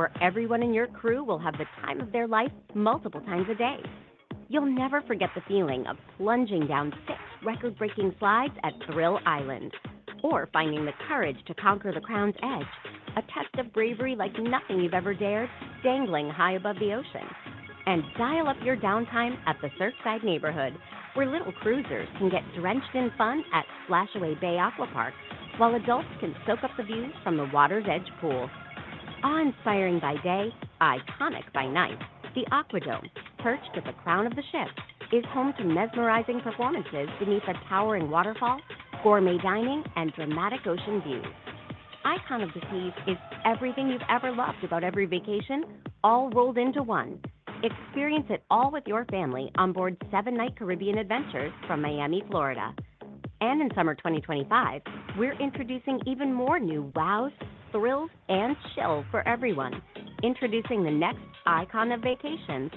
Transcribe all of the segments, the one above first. Where everyone in your crew will have the time of their life multiple times a day. You'll never forget the feeling of plunging down six record-breaking slides at Thrill Island, or finding the courage to conquer the Crown's Edge, a test of bravery like nothing you've ever dared, dangling high above the ocean. And dial up your downtime at the Surfside neighborhood, where little cruisers can get drenched in fun at Splashaway Bay Aquapark, while adults can soak up the views from the water's edge pool. Awe-inspiring by day, iconic by night, the AquaDome, perched at the crown of the ship, is home to mesmerizing performances beneath a towering waterfall, gourmet dining, and dramatic ocean views. Icon of the Seas is everything you've ever loved about every vacation, all rolled into one. Experience it all with your family onboard Seven-Night Caribbean Adventures from Miami, Florida. In Summer 2025, we're introducing even more new wows, thrills, and chill for everyone, introducing the next icon of vacations,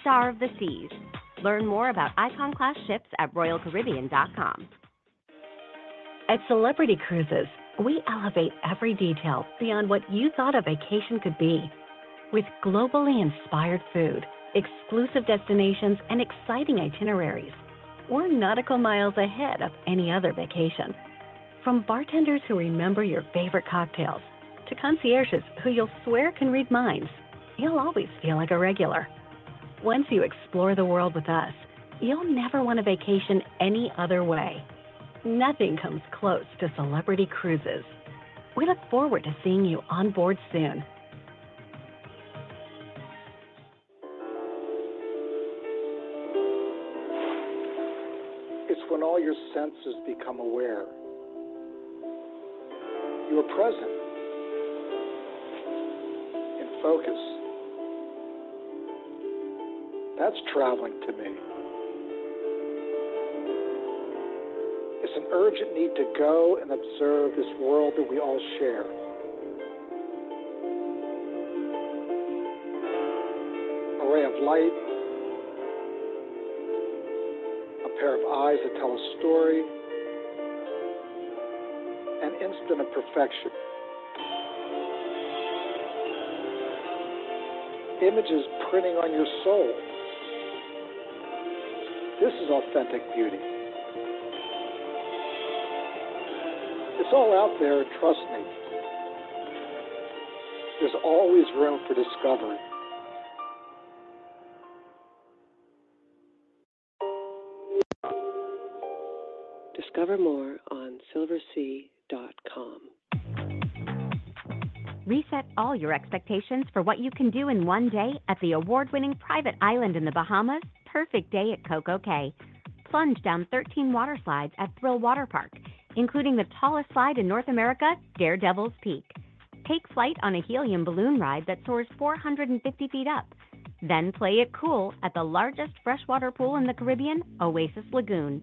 Star of the Seas. Learn more about Icon Class ships at royalcaribbean.com. At Celebrity Cruises, we elevate every detail beyond what you thought a vacation could be. With globally inspired food, exclusive destinations, and exciting itineraries, we're nautical miles ahead of any other vacation. From bartenders who remember your favorite cocktails to concierges who you'll swear can read minds, you'll always feel like a regular. Once you explore the world with us, you'll never want to vacation any other way. Nothing comes close to Celebrity Cruises. We look forward to seeing you onboard soon. It's when all your senses become aware. You are present. In focus. That's traveling to me. It's an urgent need to go and observe this world that we all share. A ray of light. A pair of eyes that tell a story. An instant of perfection. Images printing on your soul. This is authentic beauty. It's all out there, trust me. There's always room for discovery. Discover more on Silversea.com. Reset all your expectations for what you can do in one day at the award-winning private island in the Bahamas, Perfect Day at CocoCay. Plunge down 13 water slides at Thrill Waterpark, including the tallest slide in North America, Daredevil's Peak. Take flight on a helium balloon ride that soars 450 feet up. Play it cool at the largest freshwater pool in the Caribbean, Oasis Lagoon.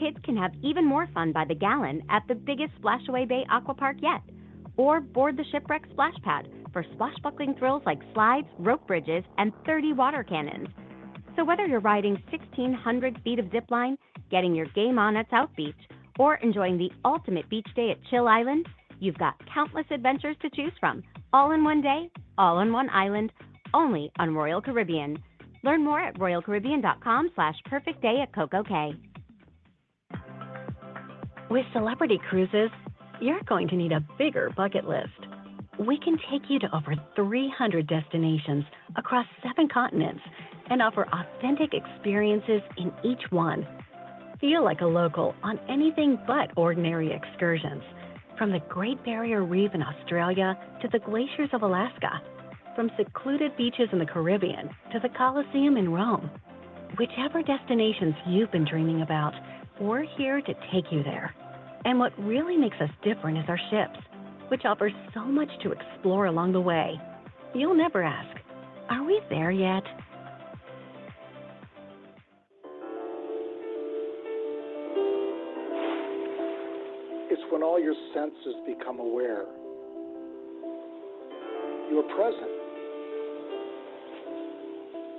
Kids can have even more fun by the gallon at the biggest Splashaway Bay Aquapark yet, or board the shipwreck splash pad for swashbuckling thrills like slides, rope bridges, and 30 water cannons. Whether you're riding 1,600 feet of zipline, getting your game on at South Beach, or enjoying the ultimate beach day at Chill Island, you've got countless adventures to choose from, all in one day, all on one island, only on Royal Caribbean. Learn more at royalcaribbean.com/perfectdayatcococay. With Celebrity Cruises, you're going to need a bigger bucket list. We can take you to over 300 destinations across seven continents and offer authentic experiences in each one. Feel like a local on anything but ordinary excursions, from the Great Barrier Reef in Australia to the glaciers of Alaska, from secluded beaches in the Caribbean to the Colosseum in Rome. Whichever destinations you've been dreaming about, we're here to take you there. And what really makes us different is our ships, which offer so much to explore along the way. You'll never ask, "Are we there yet? It's when all your senses become aware. You are present.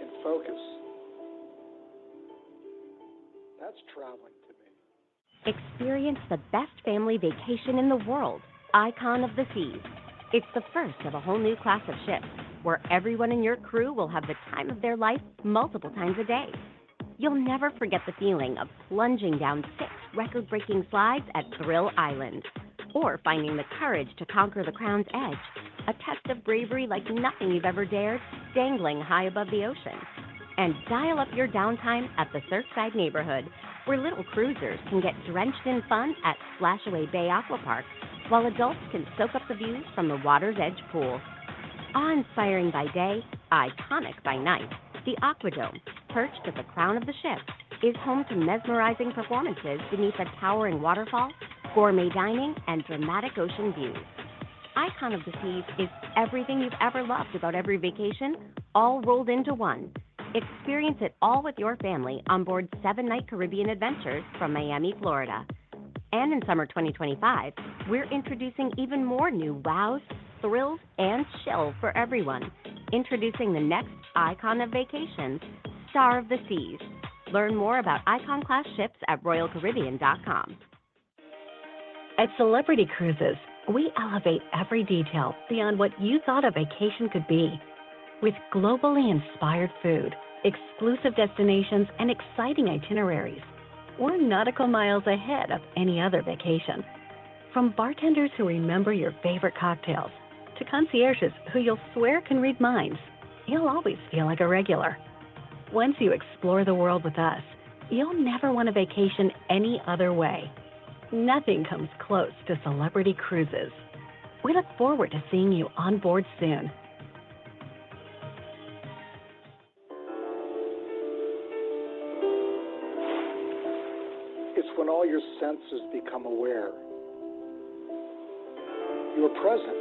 In focus. That's traveling to me. Experience the best family vacation in the world, Icon of the Seas. It's the first of a whole new class of ships where everyone in your crew will have the time of their life multiple times a day. You'll never forget the feeling of plunging down six record-breaking slides at Thrill Island, or finding the courage to conquer the Crown's Edge, a test of bravery like nothing you've ever dared, dangling high above the ocean. And dial up your downtime at the Surfside neighborhood, where little cruisers can get drenched in fun at Splashaway Bay Aquapark, while adults can soak up the views from the water's edge pool. Awe-inspiring by day, iconic by night, the AquaDome, perched at the crown of the ship, is home to mesmerizing performances beneath a towering waterfall, gourmet dining, and dramatic ocean views. Icon of the Seas is everything you've ever loved about every vacation, all rolled into one. Experience it all with your family onboard Seven-Night Caribbean Adventures from Miami, Florida. In Summer 2025, we're introducing even more new wows, thrills, and chill for everyone, introducing the next Icon of vacations, Star of the Seas. Learn more about Icon Class ships at RoyalCaribbean.com. At Celebrity Cruises, we elevate every detail beyond what you thought a vacation could be, with globally inspired food, exclusive destinations, and exciting itineraries. We're nautical miles ahead of any other vacation. From bartenders who remember your favorite cocktails to concierges who you'll swear can read minds, you'll always feel like a regular. Once you explore the world with us, you'll never want to vacation any other way. Nothing comes close to Celebrity Cruises. We look forward to seeing you onboard soon. It's when all your senses become aware. You are present.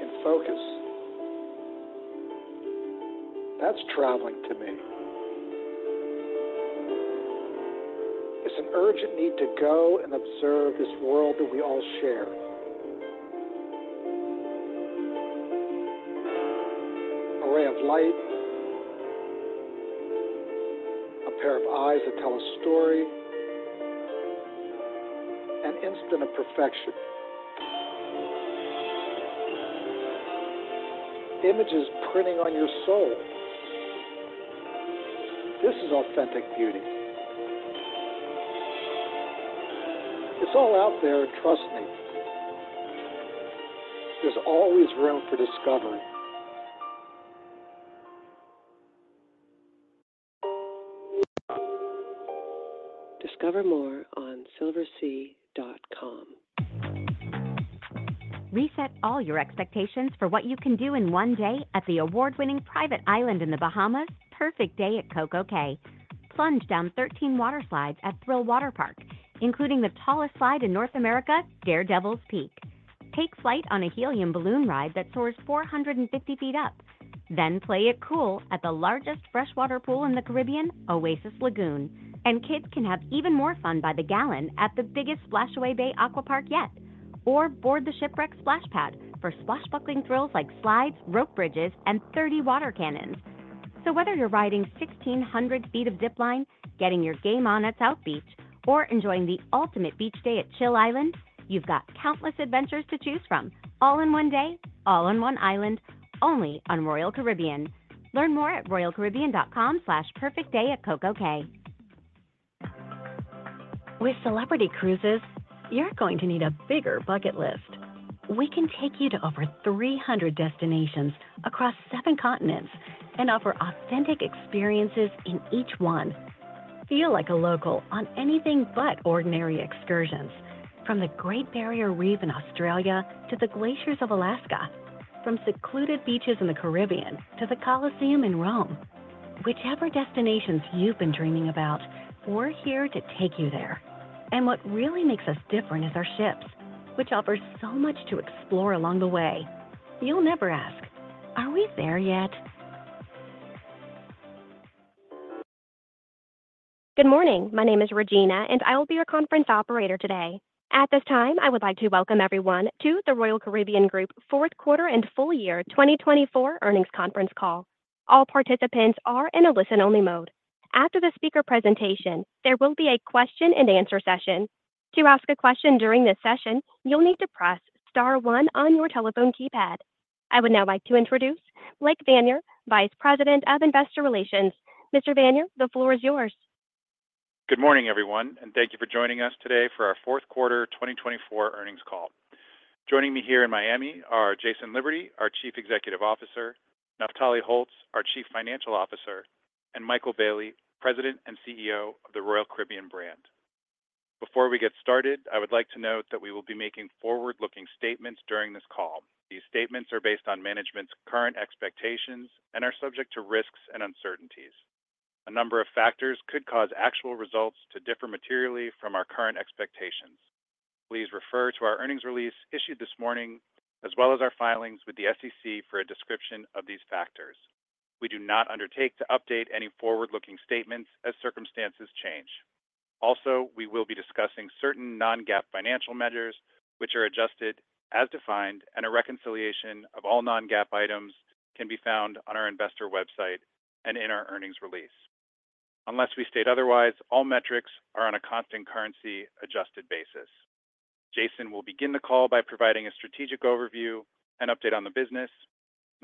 In focus. That's traveling to me. It's an urgent need to go and observe this world that we all share. A ray of light. A pair of eyes that tell a story. An instant of perfection. Images printing on your soul. This is authentic beauty. It's all out there, trust me. There's always room for discovery. Discover more on silversea.com. Reset all your expectations for what you can do in one day at the award-winning private island in the Bahamas, Perfect Day at CocoCay. Plunge down 13 water slides at Thrill Waterpark, including the tallest slide in North America, Daredevil's Peak. Take flight on a helium balloon ride that soars 450 feet up. Then play it cool at the largest freshwater pool in the Caribbean, Oasis Lagoon. And kids can have even more fun by the gallon at the biggest Splashaway Bay Aquapark yet, or board the shipwreck splash pad for swashbuckling thrills like slides, rope bridges, and 30 water cannons. So whether you're riding 1,600 feet of zipline, getting your game on at South Beach, or enjoying the ultimate beach day at Chill Island, you've got countless adventures to choose from, all in one day, all on one island, only on Royal Caribbean. Learn more at royalcaribbean.com/perfectdayatcocokay. With Celebrity Cruises, you're going to need a bigger bucket list. We can take you to over 300 destinations across seven continents and offer authentic experiences in each one. Feel like a local on anything but ordinary excursions, from the Great Barrier Reef in Australia to the glaciers of Alaska, from secluded beaches in the Caribbean to the Colosseum in Rome. Whichever destinations you've been dreaming about, we're here to take you there. And what really makes us different is our ships, which offer so much to explore along the way. You'll never ask, "Are we there yet? Good morning. My name is Regina, and I will be your conference operator today. At this time, I would like to welcome everyone to the Royal Caribbean Group Fourth Quarter and Full Year 2024 Earnings Conference Call. All participants are in a listen-only mode. After the speaker presentation, there will be a question-and-answer session. To ask a question during this session, you'll need to press star one on your telephone keypad. I would now like to introduce Blake Vanier, Vice President of Investor Relations. Mr. Vanier, the floor is yours. Good morning, everyone, and thank you for joining us today for our Fourth Quarter 2024 Earnings Call. Joining me here in Miami are Jason Liberty, our Chief Executive Officer, Naftali Holtz, our Chief Financial Officer, and Michael Bayley, President and CEO of the Royal Caribbean brand. Before we get started, I would like to note that we will be making forward-looking statements during this call. These statements are based on management's current expectations and are subject to risks and uncertainties. A number of factors could cause actual results to differ materially from our current expectations. Please refer to our earnings release issued this morning, as well as our filings with the SEC for a description of these factors. We do not undertake to update any forward-looking statements as circumstances change. Also, we will be discussing certain non-GAAP financial measures, which are adjusted as defined, and a reconciliation of all non-GAAP items can be found on our investor website and in our earnings release. Unless we state otherwise, all metrics are on a constant currency-adjusted basis. Jason will begin the call by providing a strategic overview and update on the business.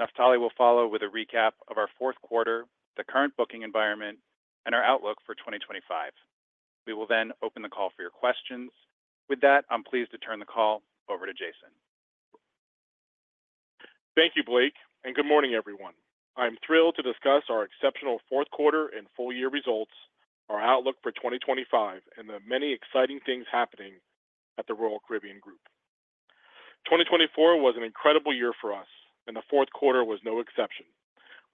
Naftali will follow with a recap of our fourth quarter, the current booking environment, and our outlook for 2025. We will then open the call for your questions. With that, I'm pleased to turn the call over to Jason. Thank you, Blake, and good morning, everyone. I'm thrilled to discuss our exceptional fourth quarter and full year results, our outlook for 2025, and the many exciting things happening at the Royal Caribbean Group. 2024 was an incredible year for us, and the fourth quarter was no exception.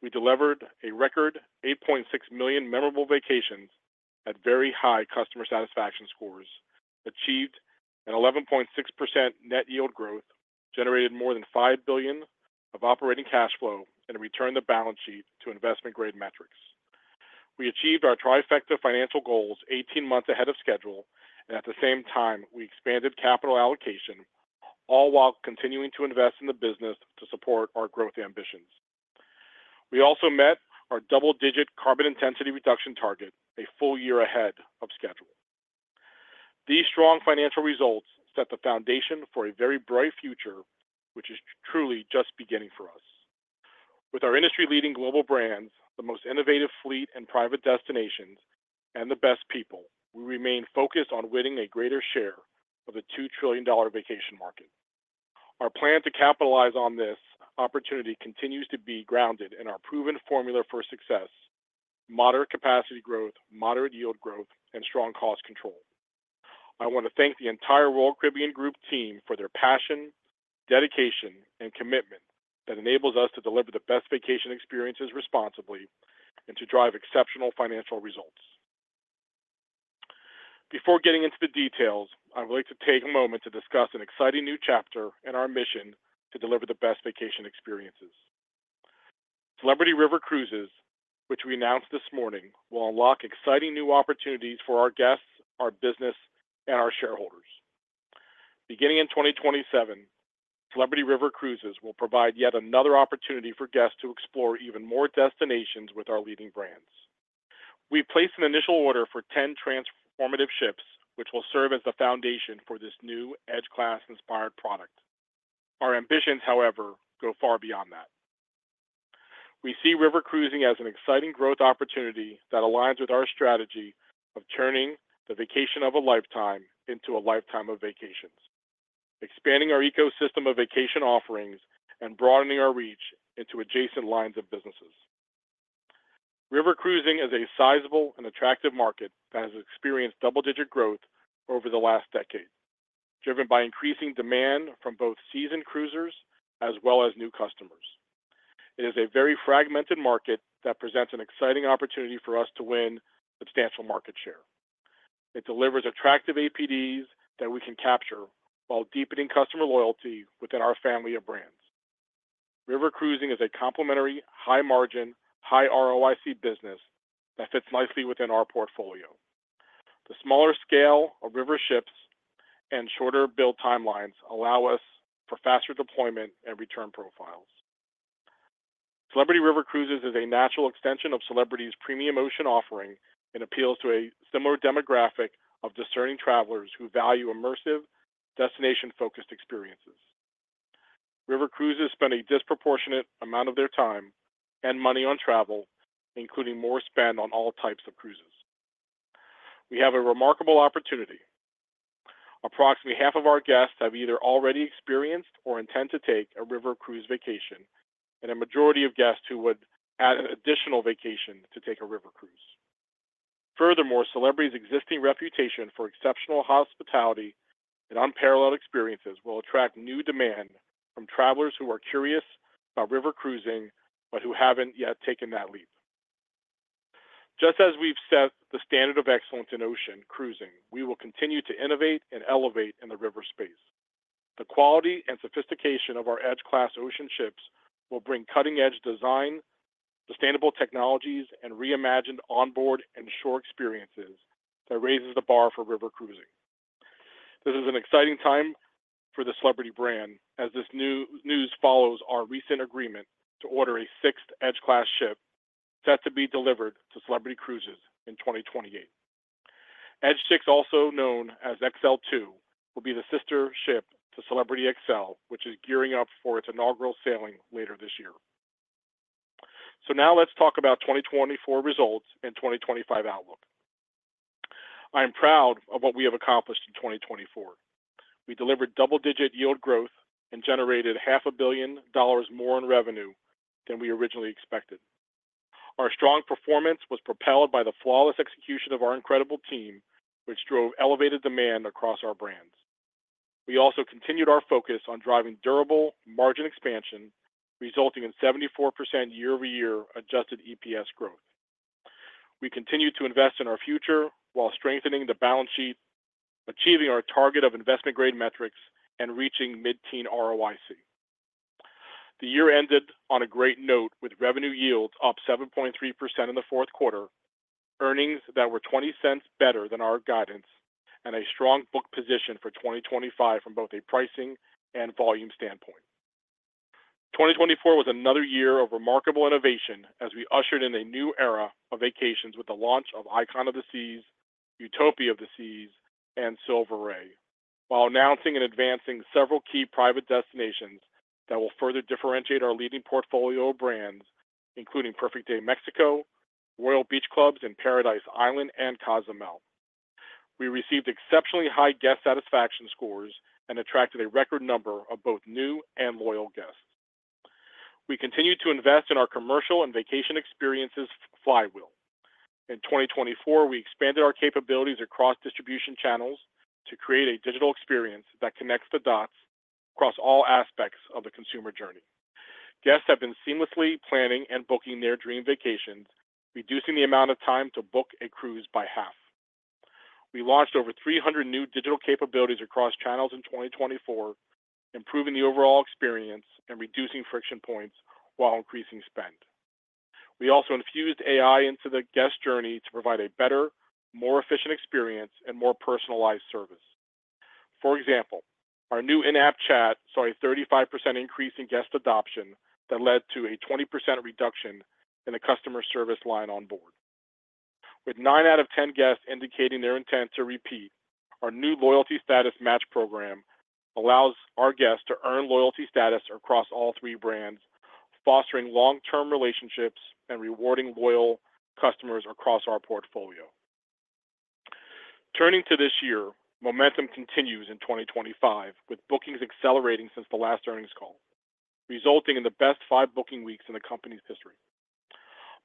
We delivered a record 8.6 million memorable vacations at very high customer satisfaction scores, achieved an 11.6% net yield growth, generated more than $5 billion of operating cash flow, and returned the balance sheet to investment-grade metrics. We achieved our Trifecta financial goals 18 months ahead of schedule, and at the same time, we expanded capital allocation, all while continuing to invest in the business to support our growth ambitions. We also met our double-digit carbon intensity reduction target a full year ahead of schedule. These strong financial results set the foundation for a very bright future, which is truly just beginning for us. With our industry-leading global brands, the most innovative fleet, and private destinations, and the best people, we remain focused on winning a greater share of the $2 trillion vacation market. Our plan to capitalize on this opportunity continues to be grounded in our proven formula for success: moderate capacity growth, moderate yield growth, and strong cost control. I want to thank the entire Royal Caribbean Group team for their passion, dedication, and commitment that enables us to deliver the best vacation experiences responsibly and to drive exceptional financial results. Before getting into the details, I would like to take a moment to discuss an exciting new chapter in our mission to deliver the best vacation experiences. Celebrity River Cruises, which we announced this morning, will unlock exciting new opportunities for our guests, our business, and our shareholders. Beginning in 2027, Celebrity River Cruises will provide yet another opportunity for guests to explore even more destinations with our leading brands. We've placed an initial order for 10 transformative ships, which will serve as the foundation for this new Edge Class inspired product. Our ambitions, however, go far beyond that. We see river cruising as an exciting growth opportunity that aligns with our strategy of turning the vacation of a lifetime into a lifetime of vacations, expanding our ecosystem of vacation offerings, and broadening our reach into adjacent lines of businesses. River cruising is a sizable and attractive market that has experienced double-digit growth over the last decade, driven by increasing demand from both seasoned cruisers as well as new customers. It is a very fragmented market that presents an exciting opportunity for us to win substantial market share. It delivers attractive APDs that we can capture while deepening customer loyalty within our family of brands. River cruising is a complementary, high-margin, high-ROIC business that fits nicely within our portfolio. The smaller scale of river ships and shorter build timelines allow us for faster deployment and return profiles. Celebrity River Cruises is a natural extension of Celebrity's premium ocean offering and appeals to a similar demographic of discerning travelers who value immersive, destination-focused experiences. River cruises spend a disproportionate amount of their time and money on travel, including more spend on all types of cruises. We have a remarkable opportunity. Approximately half of our guests have either already experienced or intend to take a river cruise vacation, and a majority of guests who would add an additional vacation to take a river cruise. Furthermore, Celebrity's existing reputation for exceptional hospitality and unparalleled experiences will attract new demand from travelers who are curious about river cruising but who haven't yet taken that leap. Just as we've set the standard of excellence in ocean cruising, we will continue to innovate and elevate in the river space. The quality and sophistication of our Edge Class ocean ships will bring cutting-edge design, sustainable technologies, and reimagined onboard and shore experiences that raise the bar for river cruising. This is an exciting time for the Celebrity brand as this news follows our recent agreement to order a sixth Edge Class ship set to be delivered to Celebrity Cruises in 2028. Edge 6, also known as Xcel 2, will be the sister ship to Celebrity Xcel, which is gearing up for its inaugural sailing later this year. So now let's talk about 2024 results and 2025 outlook. I am proud of what we have accomplished in 2024. We delivered double-digit yield growth and generated $500 million more in revenue than we originally expected. Our strong performance was propelled by the flawless execution of our incredible team, which drove elevated demand across our brands. We also continued our focus on driving durable margin expansion, resulting in 74% year-over-year Adjusted EPS growth. We continued to invest in our future while strengthening the balance sheet, achieving our target of investment-grade metrics, and reaching mid-teen ROIC. The year ended on a great note with revenue yields up 7.3% in the fourth quarter, earnings that were $0.20 better than our guidance, and a strong book position for 2025 from both a pricing and volume standpoint. 2024 was another year of remarkable innovation as we ushered in a new era of vacations with the launch of Icon of the Seas, Utopia of the Seas, and Silver Ray, while announcing and advancing several key private destinations that will further differentiate our leading portfolio of brands, including Perfect Day Mexico, Royal Beach Clubs in Paradise Island, and Cozumel. We received exceptionally high guest satisfaction scores and attracted a record number of both new and loyal guests. We continue to invest in our commercial and vacation experiences flywheel. In 2024, we expanded our capabilities across distribution channels to create a digital experience that connects the dots across all aspects of the consumer journey. Guests have been seamlessly planning and booking their dream vacations, reducing the amount of time to book a cruise by half. We launched over 300 new digital capabilities across channels in 2024, improving the overall experience and reducing friction points while increasing spend. We also infused AI into the guest journey to provide a better, more efficient experience and more personalized service. For example, our new in-app chat saw a 35% increase in guest adoption that led to a 20% reduction in the customer service line on board. With nine out of 10 guests indicating their intent to repeat, our new loyalty status match program allows our guests to earn loyalty status across all three brands, fostering long-term relationships and rewarding loyal customers across our portfolio. Turning to this year, momentum continues in 2025 with bookings accelerating since the last earnings call, resulting in the best five booking weeks in the company's history.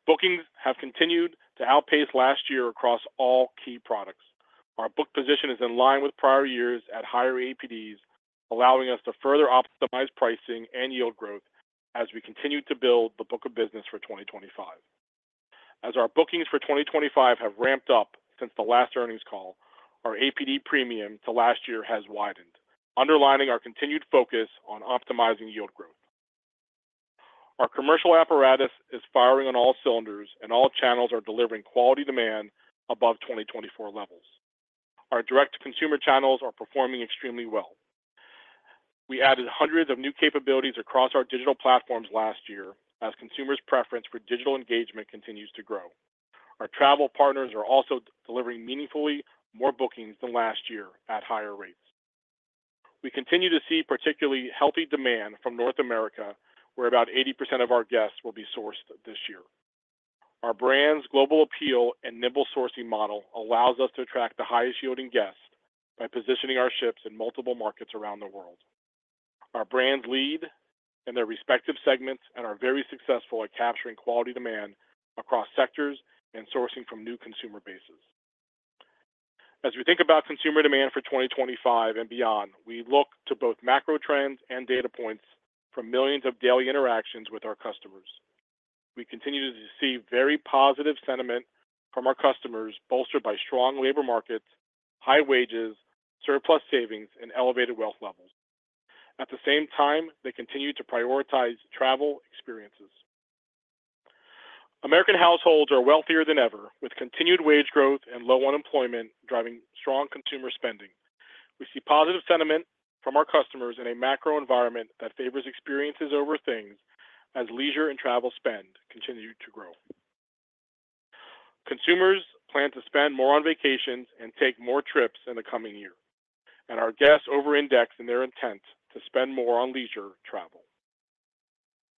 Bookings have continued to outpace last year across all key products. Our book position is in line with prior years at higher APDs, allowing us to further optimize pricing and yield growth as we continue to build the book of business for 2025. As our bookings for 2025 have ramped up since the last earnings call, our APD premium to last year has widened, underlining our continued focus on optimizing yield growth. Our commercial apparatus is firing on all cylinders, and all channels are delivering quality demand above 2024 levels. Our direct-to-consumer channels are performing extremely well. We added hundreds of new capabilities across our digital platforms last year as consumers' preference for digital engagement continues to grow. Our travel partners are also delivering meaningfully more bookings than last year at higher rates. We continue to see particularly healthy demand from North America, where about 80% of our guests will be sourced this year. Our brand's global appeal and nimble sourcing model allows us to attract the highest yielding guests by positioning our ships in multiple markets around the world. Our brands lead in their respective segments and are very successful at capturing quality demand across sectors and sourcing from new consumer bases. As we think about consumer demand for 2025 and beyond, we look to both macro trends and data points from millions of daily interactions with our customers. We continue to see very positive sentiment from our customers bolstered by strong labor markets, high wages, surplus savings, and elevated wealth levels. At the same time, they continue to prioritize travel experiences. American households are wealthier than ever, with continued wage growth and low unemployment driving strong consumer spending. We see positive sentiment from our customers in a macro environment that favors experiences over things as leisure and travel spend continue to grow. Consumers plan to spend more on vacations and take more trips in the coming year, and our guests over-index in their intent to spend more on leisure travel.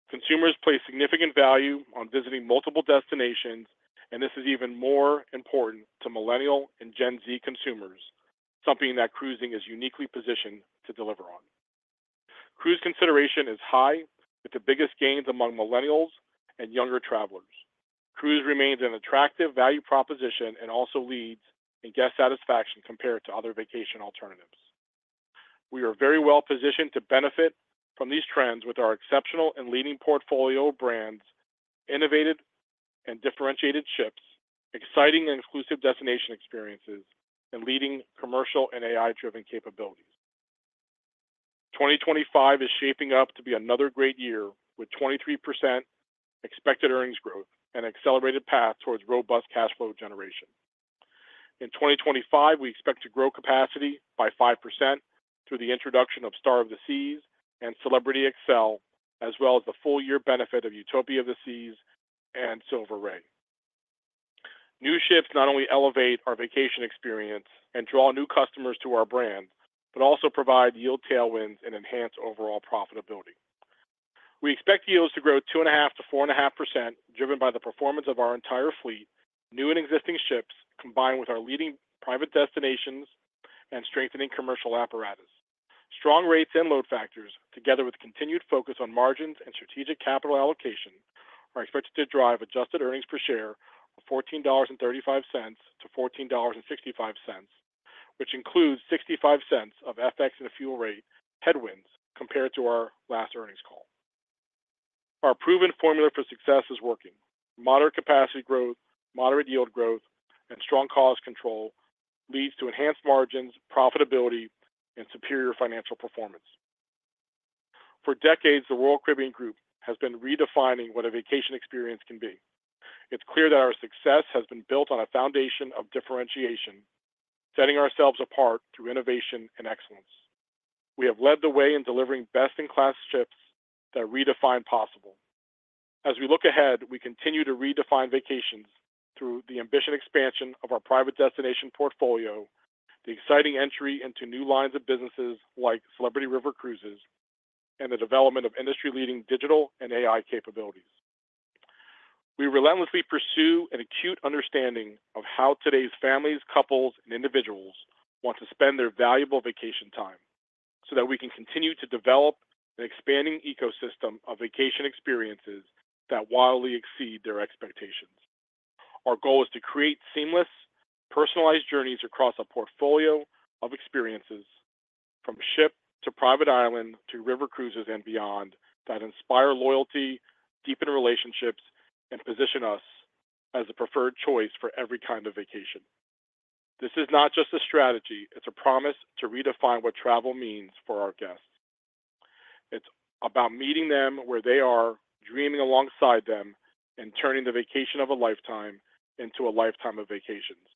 Consumers place significant value on visiting multiple destinations, and this is even more important to millennial and Gen Z consumers, something that cruising is uniquely positioned to deliver on. Cruise consideration is high, with the biggest gains among millennials and younger travelers. Cruise remains an attractive value proposition and also leads in guest satisfaction compared to other vacation alternatives. We are very well positioned to benefit from these trends with our exceptional and leading portfolio of brands, innovative and differentiated ships, exciting and exclusive destination experiences, and leading commercial and AI-driven capabilities. 2025 is shaping up to be another great year with 23% expected earnings growth and an accelerated path towards robust cash flow generation. In 2025, we expect to grow capacity by 5% through the introduction of Star of the Seas and Celebrity Xcel, as well as the full-year benefit of Utopia of the Seas and Silver Ray. New ships not only elevate our vacation experience and draw new customers to our brand, but also provide yield tailwinds and enhance overall profitability. We expect yields to grow 2.5%-4.5%, driven by the performance of our entire fleet, new and existing ships combined with our leading private destinations and strengthening commercial apparatus. Strong rates and load factors, together with continued focus on margins and strategic capital allocation, are expected to drive adjusted earnings per share from $14.35-$14.65, which includes $0.65 of FX and fuel rate headwinds compared to our last earnings call. Our proven formula for success is working. Moderate capacity growth, moderate yield growth, and strong cost control lead to enhanced margins, profitability, and superior financial performance. For decades, the Royal Caribbean Group has been redefining what a vacation experience can be. It's clear that our success has been built on a foundation of differentiation, setting ourselves apart through innovation and excellence. We have led the way in delivering best-in-class ships that redefine possible. As we look ahead, we continue to redefine vacations through the ambitious expansion of our private destination portfolio, the exciting entry into new lines of businesses like Celebrity River Cruises, and the development of industry-leading digital and AI capabilities. We relentlessly pursue an acute understanding of how today's families, couples, and individuals want to spend their valuable vacation time so that we can continue to develop an expanding ecosystem of vacation experiences that wildly exceed their expectations. Our goal is to create seamless, personalized journeys across a portfolio of experiences, from ship to private island to river cruises and beyond, that inspire loyalty, deepen relationships, and position us as the preferred choice for every kind of vacation. This is not just a strategy. It's a promise to redefine what travel means for our guests. It's about meeting them where they are, dreaming alongside them, and turning the vacation of a lifetime into a lifetime of vacations.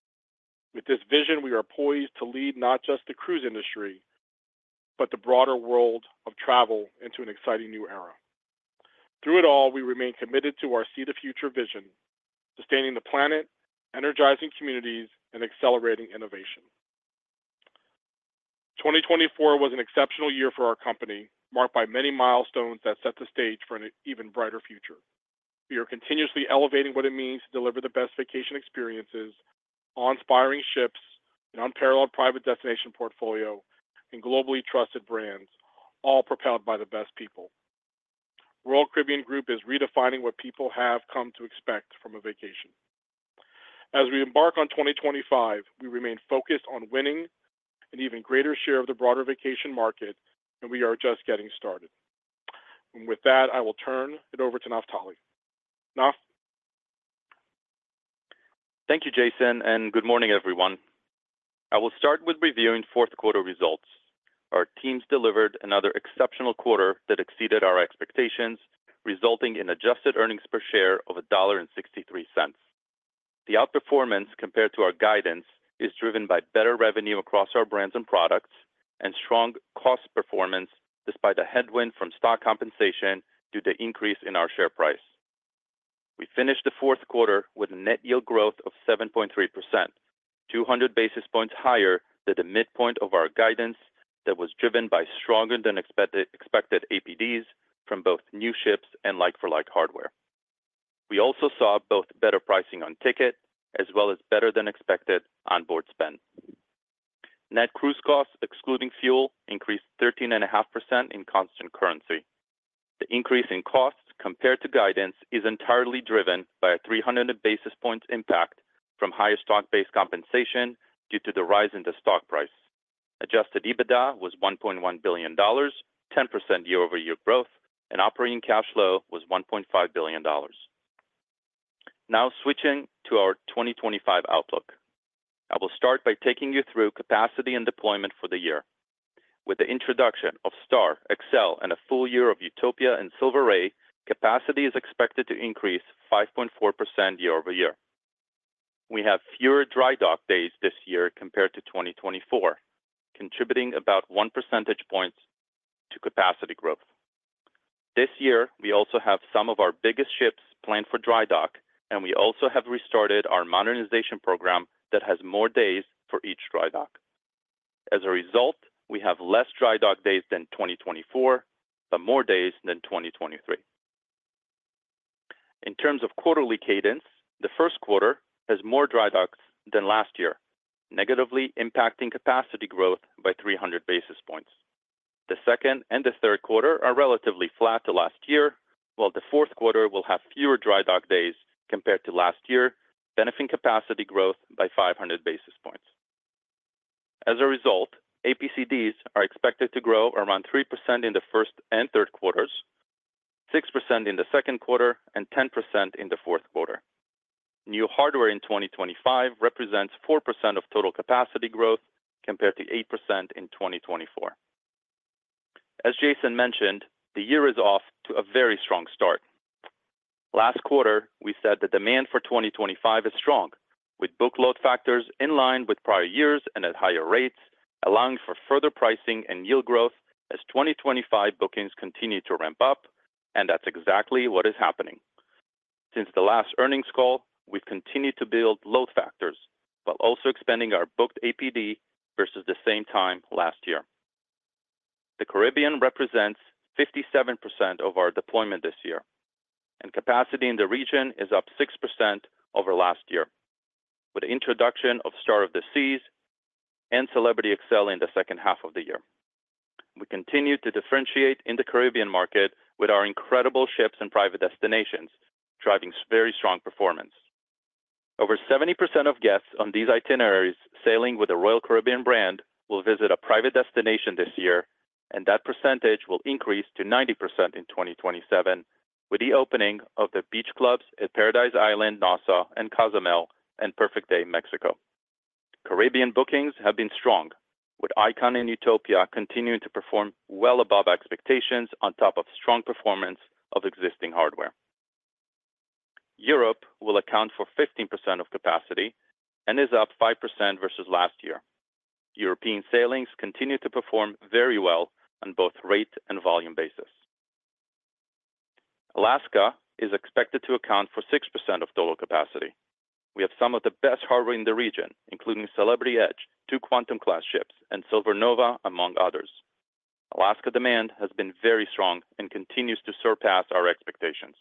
With this vision, we are poised to lead not just the cruise industry, but the broader world of travel into an exciting new era. Through it all, we remain committed to our see-the-future vision, sustaining the planet, energizing communities, and accelerating innovation. 2024 was an exceptional year for our company, marked by many milestones that set the stage for an even brighter future. We are continuously elevating what it means to deliver the best vacation experiences on inspiring ships, an unparalleled private destination portfolio, and globally trusted brands, all propelled by the best people. Royal Caribbean Group is redefining what people have come to expect from a vacation. As we embark on 2025, we remain focused on winning an even greater share of the broader vacation market, and we are just getting started, and with that, I will turn it over to Naftali. Naf. Thank you, Jason, and good morning, everyone. I will start with reviewing fourth quarter results. Our teams delivered another exceptional quarter that exceeded our expectations, resulting in adjusted earnings per share of $1.63. The outperformance compared to our guidance is driven by better revenue across our brands and products and strong cost performance despite the headwind from stock compensation due to the increase in our share price. We finished the fourth quarter with a net yield growth of 7.3%, 200 basis points higher than the midpoint of our guidance that was driven by stronger-than-expected APDs from both new ships and like-for-like hardware. We also saw both better pricing on ticket as well as better-than-expected onboard spend. Net cruise costs, excluding fuel, increased 13.5% in constant currency. The increase in costs compared to guidance is entirely driven by a 300 basis points impact from higher stock-based compensation due to the rise in the stock price. Adjusted EBITDA was $1.1 billion, 10% year-over-year growth, and operating cash flow was $1.5 billion. Now, switching to our 2025 outlook, I will start by taking you through capacity and deployment for the year. With the introduction of Star, Xcel, and a full year of Utopia and Silver Ray, capacity is expected to increase 5.4% year-over-year. We have fewer dry dock days this year compared to 2024, contributing about 1 percentage point to capacity growth. This year, we also have some of our biggest ships planned for dry dock, and we also have restarted our modernization program that has more days for each dry dock. As a result, we have less dry dock days than 2024, but more days than 2023. In terms of quarterly cadence, the first quarter has more dry docks than last year, negatively impacting capacity growth by 300 basis points. The second and the third quarter are relatively flat to last year, while the fourth quarter will have fewer dry dock days compared to last year, benefiting capacity growth by 500 basis points. As a result, APCDs are expected to grow around 3% in the first and third quarters, 6% in the second quarter, and 10% in the fourth quarter. New hardware in 2025 represents 4% of total capacity growth compared to 8% in 2024. As Jason mentioned, the year is off to a very strong start. Last quarter, we said the demand for 2025 is strong, with booked load factors in line with prior years and at higher rates, allowing for further pricing and yield growth as 2025 bookings continue to ramp up, and that's exactly what is happening. Since the last earnings call, we've continued to build load factors, while also expanding our booked APD versus the same time last year. The Caribbean represents 57% of our deployment this year, and capacity in the region is up 6% over last year, with the introduction of Star of the Seas and Celebrity Xcel in the second half of the year. We continue to differentiate in the Caribbean market with our incredible ships and private destinations, driving very strong performance. Over 70% of guests on these itineraries sailing with the Royal Caribbean brand will visit a private destination this year, and that percentage will increase to 90% in 2027 with the opening of the Beach Clubs at Paradise Island, Nassau, and Cozumel and Perfect Day Mexico. Caribbean bookings have been strong, with Icon and Utopia continuing to perform well above expectations on top of strong performance of existing hardware. Europe will account for 15% of capacity and is up 5% versus last year. European sailings continue to perform very well on both rate and volume basis. Alaska is expected to account for 6% of total capacity. We have some of the best hardware in the region, including Celebrity Edge, two quantum-class ships, and Silver Nova, among others. Alaska demand has been very strong and continues to surpass our expectations.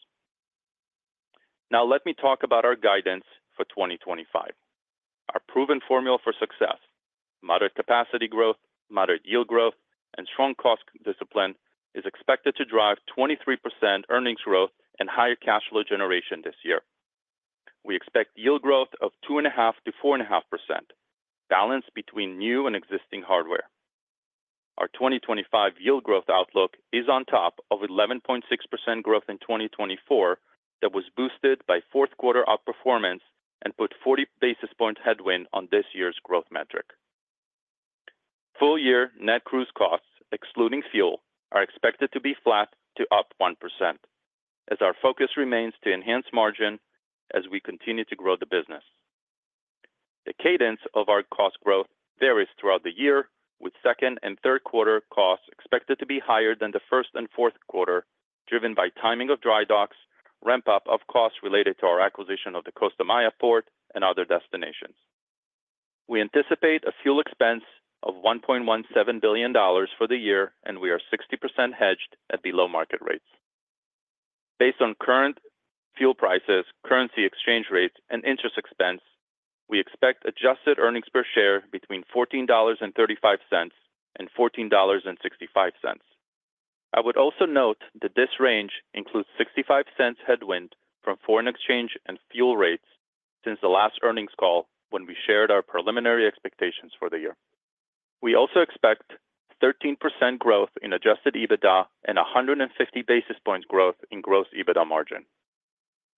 Now, let me talk about our guidance for 2025. Our proven formula for success, moderate capacity growth, moderate yield growth, and strong cost discipline is expected to drive 23% earnings growth and higher cash flow generation this year. We expect yield growth of 2.5%-4.5%, balanced between new and existing hardware. Our 2025 yield growth outlook is on top of 11.6% growth in 2024 that was boosted by fourth quarter outperformance and put 40 basis points headwind on this year's growth metric. Full-year net cruise costs, excluding fuel, are expected to be flat to up 1%, as our focus remains to enhance margin as we continue to grow the business. The cadence of our cost growth varies throughout the year, with second and third quarter costs expected to be higher than the first and fourth quarter, driven by timing of dry docks, ramp-up of costs related to our acquisition of the Costa Maya Port and other destinations. We anticipate a fuel expense of $1.17 billion for the year, and we are 60% hedged at below-market rates. Based on current fuel prices, currency exchange rates, and interest expense, we expect adjusted earnings per share between $14.35 and $14.65. I would also note that this range includes $0.65 headwind from foreign exchange and fuel rates since the last earnings call when we shared our preliminary expectations for the year. We also expect 13% growth in adjusted EBITDA and 150 basis points growth in gross EBITDA margin.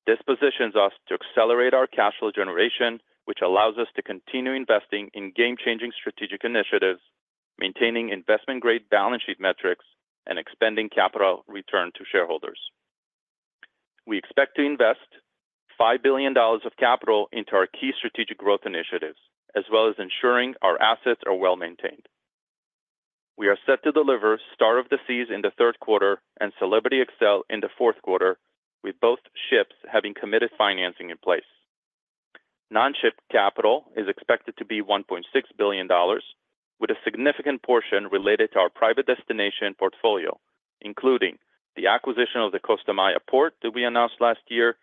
This positions us to accelerate our cash flow generation, which allows us to continue investing in game-changing strategic initiatives, maintaining investment-grade balance sheet metrics, and expanding capital return to shareholders. We expect to invest $5 billion of capital into our key strategic growth initiatives, as well as ensuring our assets are well maintained. We are set to deliver Star of the Seas in the third quarter and Celebrity Xcel in the fourth quarter, with both ships having committed financing in place. Non-ship capital is expected to be $1.6 billion, with a significant portion related to our private destination portfolio, including the acquisition of the Costa Maya port that we announced last year,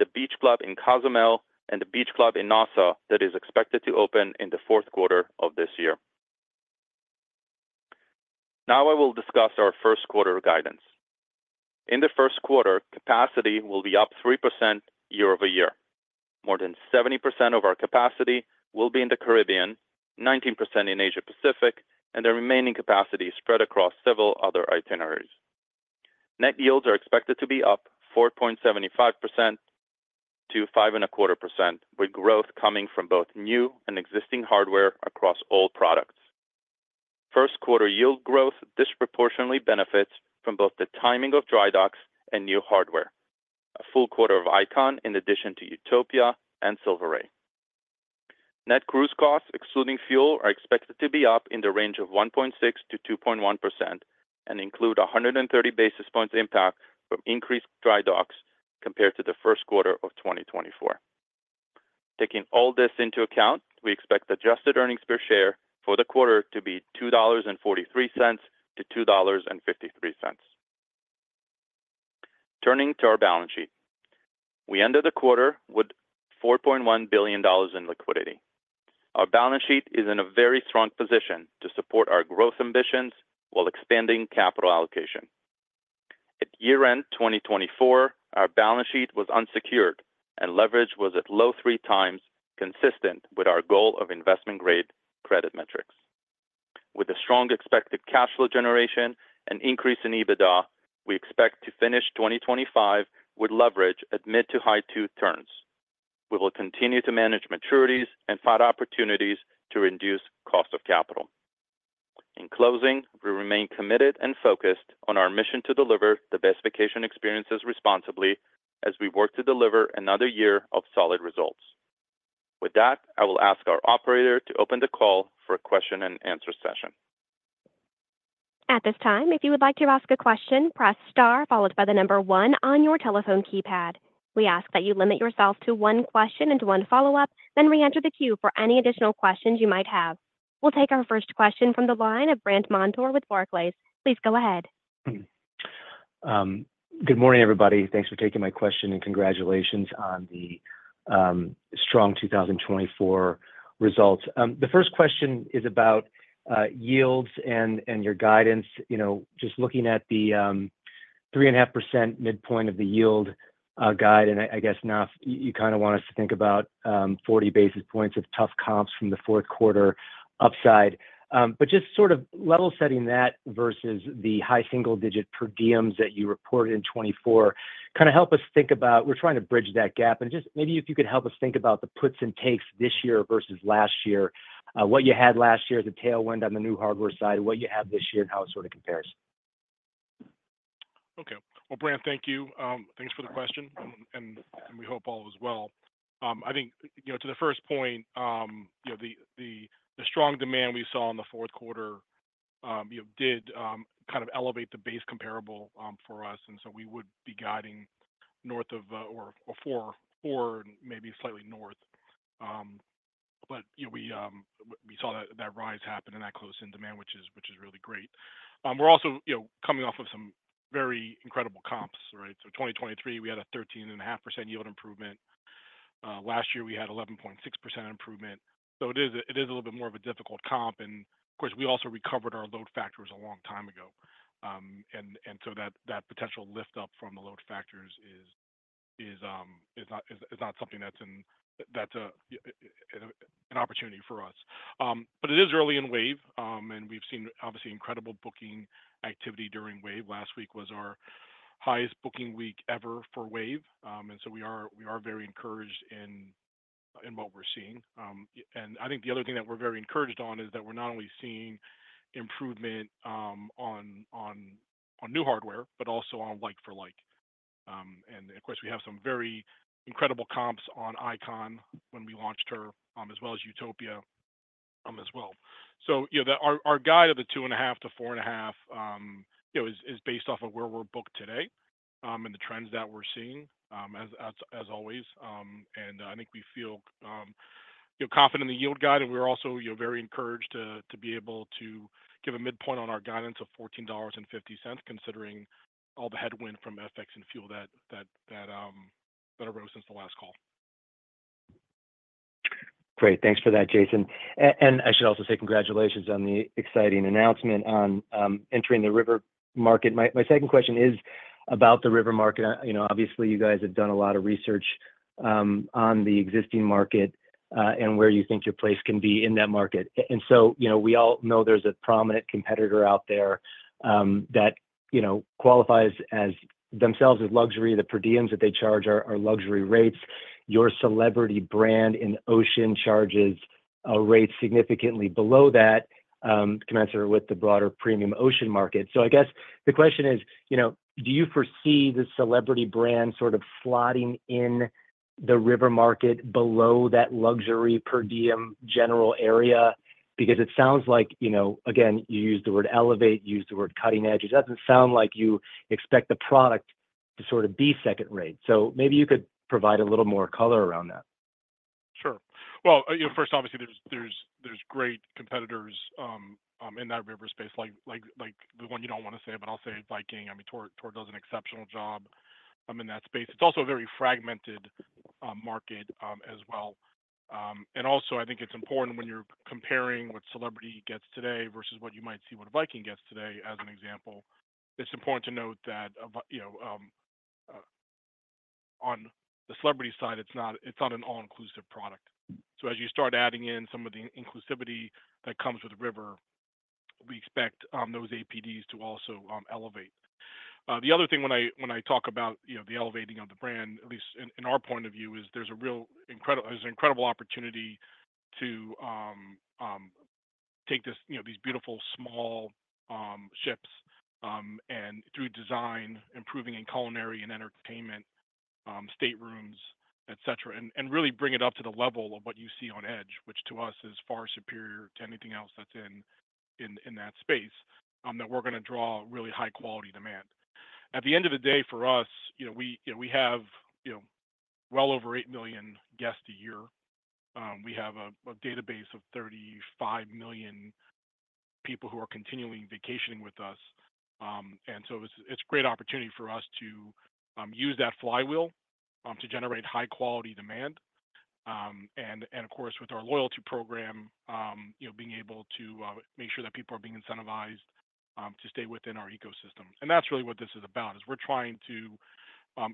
the Beach Club in Cozumel, and the Beach Club in Nassau that is expected to open in the fourth quarter of this year. Now, I will discuss our first quarter guidance. In the first quarter, capacity will be up 3% year-over-year. More than 70% of our capacity will be in the Caribbean, 19% in Asia-Pacific, and the remaining capacity is spread across several other itineraries. Net yields are expected to be up 4.75% to 5.25%, with growth coming from both new and existing hardware across all products. First quarter yield growth disproportionately benefits from both the timing of dry docks and new hardware, a full quarter of Icon in addition to Utopia and Silver Ray. Net cruise costs, excluding fuel, are expected to be up in the range of 1.6%-2.1% and include 130 basis points impact from increased dry docks compared to the first quarter of 2024. Taking all this into account, we expect adjusted earnings per share for the quarter to be $2.43-$2.53. Turning to our balance sheet, we ended the quarter with $4.1 billion in liquidity. Our balance sheet is in a very strong position to support our growth ambitions while expanding capital allocation. At year-end 2024, our balance sheet was unsecured, and leverage was at low three times, consistent with our goal of investment-grade credit metrics. With a strong expected cash flow generation and increase in EBITDA, we expect to finish 2025 with leverage at mid to high-tier turns. We will continue to manage maturities and find opportunities to reduce cost of capital. In closing, we remain committed and focused on our mission to deliver the best vacation experiences responsibly as we work to deliver another year of solid results. With that, I will ask our operator to open the call for a question-and-answer session. At this time, if you would like to ask a question, press Star followed by the number one on your telephone keypad. We ask that you limit yourself to one question and one follow-up, then re-enter the queue for any additional questions you might have. We'll take our first question from the line of Brandt Montour with Barclays. Please go ahead. Good morning, everybody. Thanks for taking my question and congratulations on the strong 2024 results. The first question is about yields and your guidance. Just looking at the 3.5% midpoint of the yield guide, and I guess, Naf, you kind of want us to think about 40 basis points of tough comps from the fourth quarter upside. But just sort of level-setting that versus the high single-digit per diems that you reported in 2024, kind of help us think about we're trying to bridge that gap. And just maybe if you could help us think about the puts and takes this year versus last year, what you had last year as a tailwind on the new hardware side, what you have this year, and how it sort of compares. Okay. Well, Brandt, thank you. Thanks for the question, and we hope all is well. I think to the first point, the strong demand we saw in the fourth quarter did kind of elevate the base comparable for us, and so we would be guiding north of 4%, maybe slightly north. But we saw that rise happen and that close-in demand, which is really great. We're also coming off of some very incredible comps, right? So 2023, we had a 13.5% yield improvement. Last year, we had 11.6% improvement. So it is a little bit more of a difficult comp. And of course, we also recovered our load factors a long time ago. And so that potential lift-up from the load factors is not something that's an opportunity for us. But it is early in wave, and we've seen, obviously, incredible booking activity during wave. Last week was our highest booking week ever for wave. And so we are very encouraged in what we're seeing. And I think the other thing that we're very encouraged on is that we're not only seeing improvement on new hardware, but also on like-for-like. And of course, we have some very incredible comps on Icon when we launched her, as well as Utopia as well. So our guide of 2.5%-4.5% is based off of where we're booked today and the trends that we're seeing, as always. And I think we feel confident in the yield guide, and we're also very encouraged to be able to give a midpoint on our guidance of $14.50, considering all the headwind from FX and fuel that arose since the last call. Great. Thanks for that, Jason. And I should also say congratulations on the exciting announcement on entering the river market. My second question is about the river market. Obviously, you guys have done a lot of research on the existing market and where you think your place can be in that market. And so we all know there's a prominent competitor out there that qualifies themselves as luxury. The per diems that they charge are luxury rates. Your Celebrity brand in ocean charges a rate significantly below that, commensurate with the broader premium ocean market. So I guess the question is, do you foresee the Celebrity brand sort of sliding in the river market below that luxury per diem general area? Because it sounds like, again, you used the word elevate, you used the word cutting edge. It doesn't sound like you expect the product to sort of be second-rate. So maybe you could provide a little more color around that. Sure. First, obviously, there's great competitors in that river space, like the one you don't want to say, but I'll say Viking. I mean, Tauck does an exceptional job in that space. It's also a very fragmented market as well. And also, I think it's important when you're comparing what Celebrity gets today versus what you might see Viking gets today as an example, it's important to note that on the Celebrity side, it's not an all-inclusive product. So as you start adding in some of the inclusivity that comes with the river, we expect those APDs to also elevate. The other thing when I talk about the elevating of the brand, at least in our point of view, is there's an incredible opportunity to take these beautiful small ships and, through design, improving in culinary and entertainment, staterooms, etc., and really bring it up to the level of what you see on Edge, which to us is far superior to anything else that's in that space, that we're going to draw really high-quality demand. At the end of the day, for us, we have well over eight million guests a year. We have a database of 35 million people who are continually vacationing with us. And so it's a great opportunity for us to use that flywheel to generate high-quality demand. And of course, with our loyalty program, being able to make sure that people are being incentivized to stay within our ecosystem. That's really what this is about, is we're trying to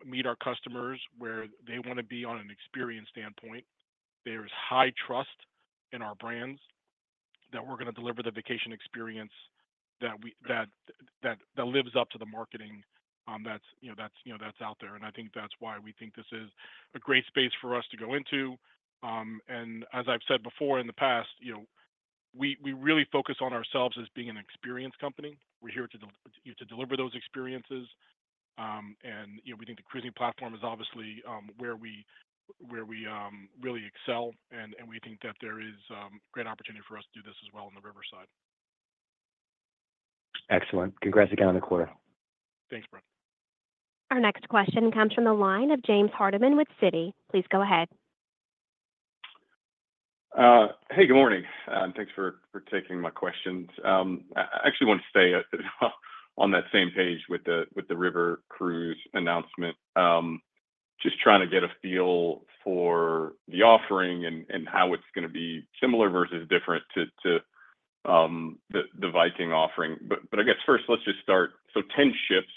meet our customers where they want to be on an experience standpoint. There's high trust in our brands that we're going to deliver the vacation experience that lives up to the marketing that's out there. I think that's why we think this is a great space for us to go into. As I've said before in the past, we really focus on ourselves as being an experience company. We're here to deliver those experiences. We think the cruising platform is obviously where we really excel. We think that there is a great opportunity for us to do this as well on the riverside. Excellent. Congrats again on the quarter. Thanks, Brandt. Our next question comes from the line of James Hardiman with Citi. Please go ahead. Hey, good morning. Thanks for taking my questions. I actually want to stay on that same page with the river cruise announcement, just trying to get a feel for the offering and how it's going to be similar versus different to the Viking offering. But I guess first, let's just start. So 10 ships,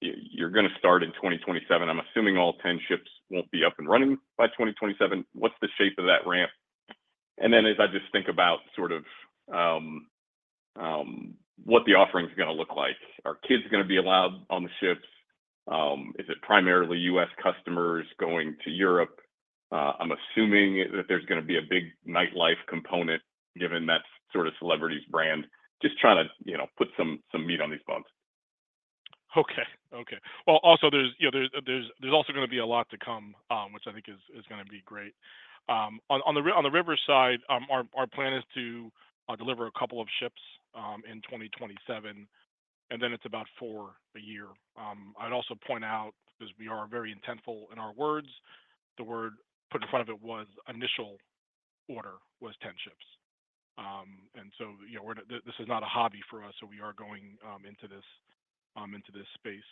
you're going to start in 2027. I'm assuming all 10 ships won't be up and running by 2027. What's the shape of that ramp? And then as I just think about sort of what the offering's going to look like, are kids going to be allowed on the ships? Is it primarily U.S. customers going to Europe? I'm assuming that there's going to be a big nightlife component given that sort of Celebrity's brand, just trying to put some meat on these bones. Okay. Okay. Well, also, there's also going to be a lot to come, which I think is going to be great. On the river side, our plan is to deliver a couple of ships in 2027, and then it's about four a year. I'd also point out, because we are very intentional in our words, the word put in front of it was initial order of 10 ships, and so this is not a hobby for us, so we are going into this space,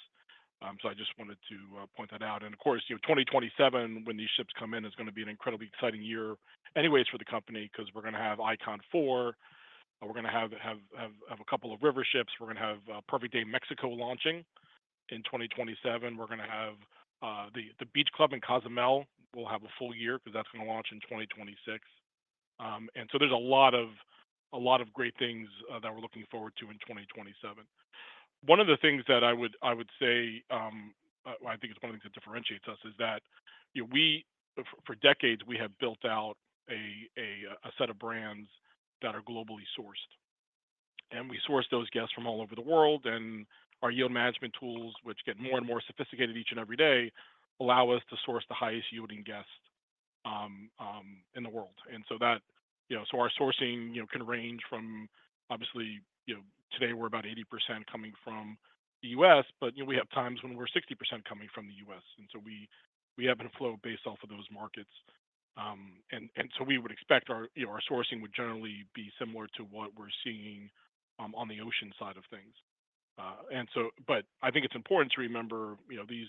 so I just wanted to point that out, and of course, 2027, when these ships come in, is going to be an incredibly exciting year anyways for the company because we're going to have Icon 4. We're going to have a couple of river ships. We're going to have Perfect Day Mexico launching in 2027. We're going to have the Beach Club in Cozumel. We'll have a full year because that's going to launch in 2026. There's a lot of great things that we're looking forward to in 2027. One of the things that I would say, I think it's one of the things that differentiates us, is that for decades, we have built out a set of brands that are globally sourced. We source those guests from all over the world. Our yield management tools, which get more and more sophisticated each and every day, allow us to source the highest yielding guests in the world. Our sourcing can range from, obviously, today, we're about 80% coming from the U.S., but we have times when we're 60% coming from the U.S. We have a flow based off of those markets. We would expect our sourcing would generally be similar to what we're seeing on the ocean side of things. But I think it's important to remember these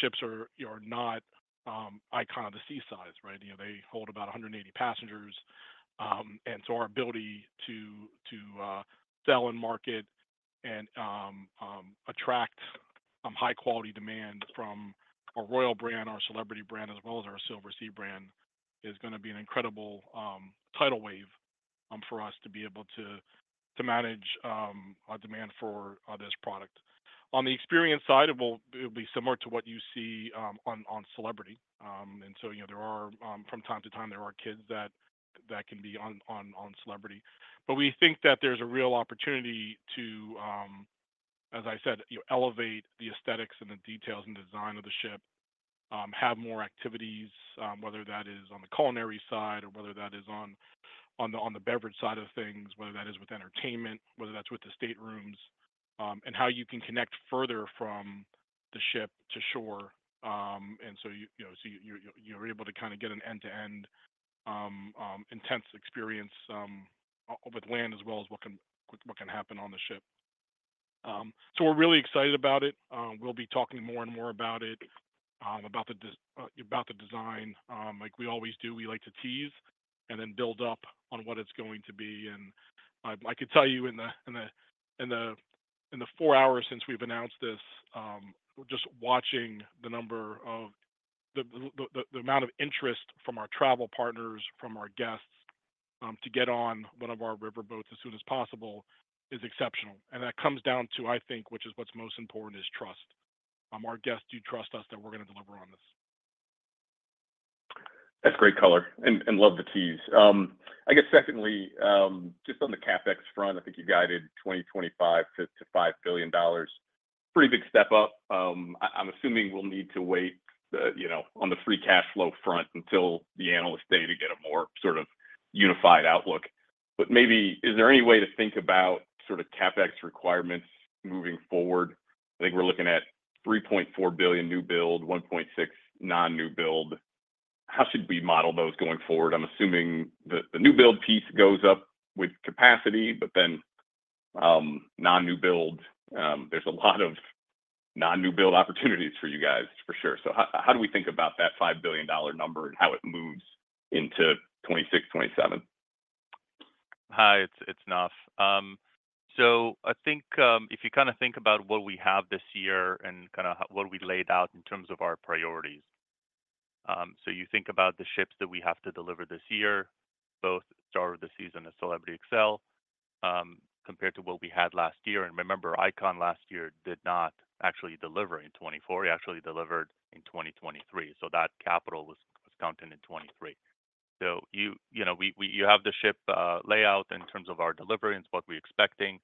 ships are not Icon of the Seas size, right? They hold about 180 passengers. And so our ability to sell and market and attract high-quality demand from our Royal brand, our Celebrity brand, as well as our Silversea brand, is going to be an incredible tidal wave for us to be able to manage our demand for this product. On the experience side, it will be similar to what you see on Celebrity. And so from time to time, there are kids that can be on Celebrity. But we think that there's a real opportunity to, as I said, elevate the aesthetics and the details and design of the ship, have more activities, whether that is on the culinary side or whether that is on the beverage side of things, whether that is with entertainment, whether that's with the staterooms, and how you can connect further from the ship to shore, and so you're able to kind of get an end-to-end intense experience with land as well as what can happen on the ship, so we're really excited about it. We'll be talking more and more about it, about the design. Like we always do, we like to tease and then build up on what it's going to be. I could tell you in the four hours since we've announced this, just watching the number of the amount of interest from our travel partners, from our guests to get on one of our river boats as soon as possible is exceptional. That comes down to, I think, which is what's most important, is trust. Our guests do trust us that we're going to deliver on this. That's great color and love the tease. I guess, secondly, just on the CapEx front, I think you guided 2025 to $5 billion. Pretty big step up. I'm assuming we'll need to wait on the free cash flow front until the analyst day to get a more sort of unified outlook. Maybe, is there any way to think about sort of CapEx requirements moving forward? I think we're looking at $3.4 billion new build, $1.6 billion non-new build. How should we model those going forward? I'm assuming the new build piece goes up with capacity, but then non-new build, there's a lot of non-new build opportunities for you guys, for sure. So how do we think about that $5 billion number and how it moves into 2026, 2027? Hi, it's Naf. I think if you kind of think about what we have this year and kind of what we laid out in terms of our priorities, you think about the ships that we have to deliver this year, both Star of the Seas and Celebrity Xcel, compared to what we had last year. Remember, Icon last year did not actually deliver in 2024. We actually delivered in 2023. That capital was counted in 2023. You have the ship layout in terms of our delivery and what we're expecting.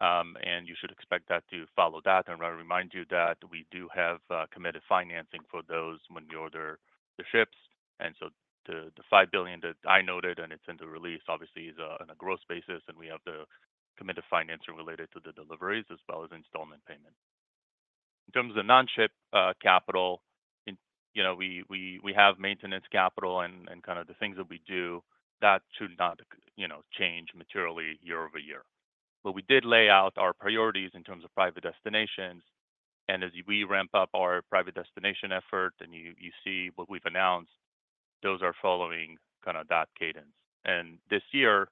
You should expect that to follow that. And I remind you that we do have committed financing for those when we order the ships. And so the $5 billion that I noted and it's in the release, obviously, is on a gross basis. And we have the committed financing related to the deliveries as well as installment payment. In terms of the non-ship capital, we have maintenance capital and kind of the things that we do that should not change materially year over year. But we did lay out our priorities in terms of private destinations. And as we ramp up our private destination effort and you see what we've announced, those are following kind of that cadence. And this year,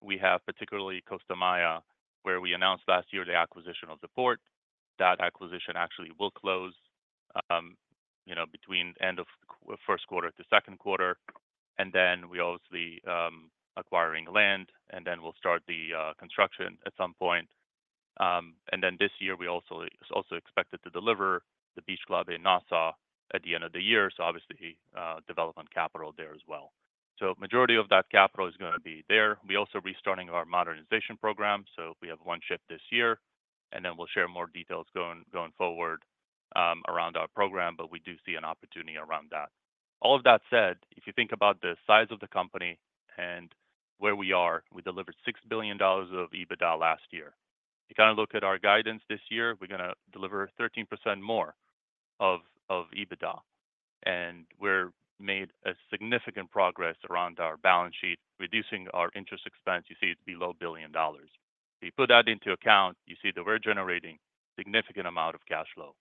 we have particularly Costa Maya, where we announced last year the acquisition of the port. That acquisition actually will close between the end of the first quarter to second quarter. And then we're obviously acquiring land, and then we'll start the construction at some point. And then this year, we also expected to deliver the Beach Club in Nassau at the end of the year. So obviously, development capital there as well. So the majority of that capital is going to be there. We're also restarting our modernization program. So we have one ship this year. And then we'll share more details going forward around our program, but we do see an opportunity around that. All of that said, if you think about the size of the company and where we are, we delivered $6 billion of EBITDA last year. You kind of look at our guidance this year, we're going to deliver 13% more of EBITDA. We've made significant progress around our balance sheet, reducing our interest expense. You see it's below $1 billion. If you put that into account, you see that we're generating a significant amount of cash flow.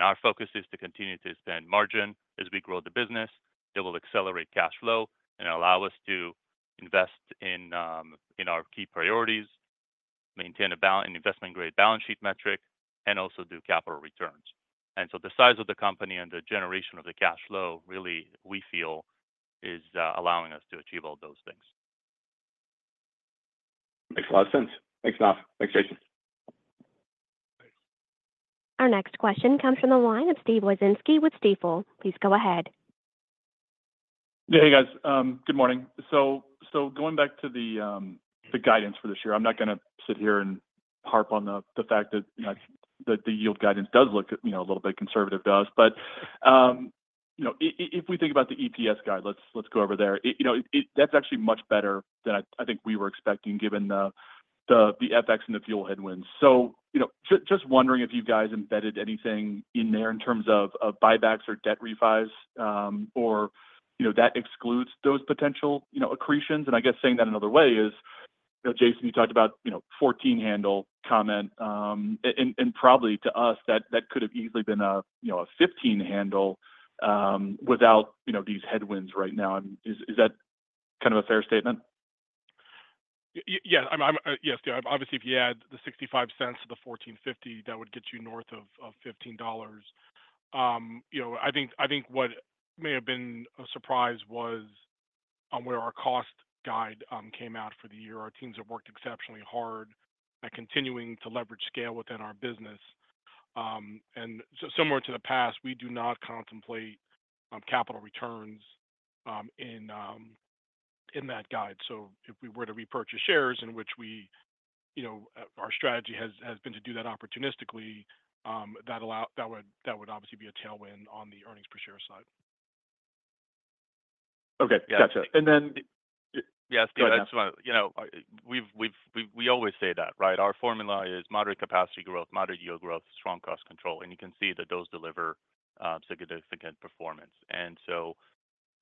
Our focus is to continue to expand margin as we grow the business. It will accelerate cash flow and allow us to invest in our key priorities, maintain an investment-grade balance sheet metric, and also do capital returns. So the size of the company and the generation of the cash flow, really, we feel is allowing us to achieve all those things. Makes a lot of sense. Thanks, Naf. Thanks, Jason. Our next question comes from the line of Steven Wieczynski with Stifel. Please go ahead. Hey, guys. Good morning. So, going back to the guidance for this year, I'm not going to sit here and harp on the fact that the yield guidance does look a little bit conservative. But if we think about the EPS guide, let's go over there. That's actually much better than I think we were expecting given the FX and the fuel headwinds. So just wondering if you guys embedded anything in there in terms of buybacks or debt refis or that excludes those potential accretions. And I guess saying that another way is, Jason, you talked about 14 handle comment. And probably to us, that could have easily been a 15 handle without these headwinds right now. Is that kind of a fair statement? Yeah. Yes. Obviously, if you add the $0.65 to the $14.50, that would get you north of $15. I think what may have been a surprise was where our cost guide came out for the year. Our teams have worked exceptionally hard at continuing to leverage scale within our business. And similar to the past, we do not contemplate capital returns in that guide. So if we were to repurchase shares in which our strategy has been to do that opportunistically, that would obviously be a tailwind on the earnings per share side. Okay. Gotcha. And then. Yes, Steve. That's what we always say that, right? Our formula is moderate capacity growth, moderate yield growth, strong cost control. And you can see that those deliver significant performance. And so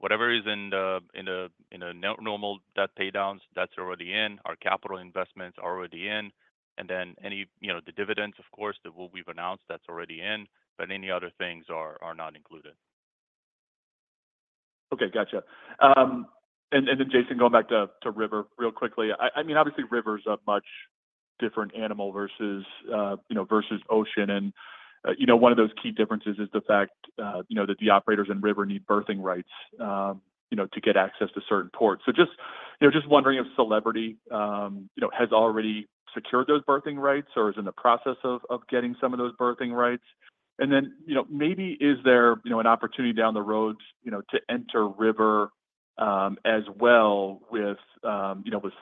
whatever is in a normal debt paydown, that's already in. Our capital investments are already in. And then the dividends, of course, that we've announced, that's already in. But any other things are not included. Okay. Gotcha. And then, Jason, going back to river, real quickly, I mean, obviously, river is a much different animal versus ocean. And one of those key differences is the fact that the operators in river need berthing rights to get access to certain ports. So just wondering if Celebrity has already secured those berthing rights or is in the process of getting some of those berthing rights. And then maybe is there an opportunity down the road to enter river as well with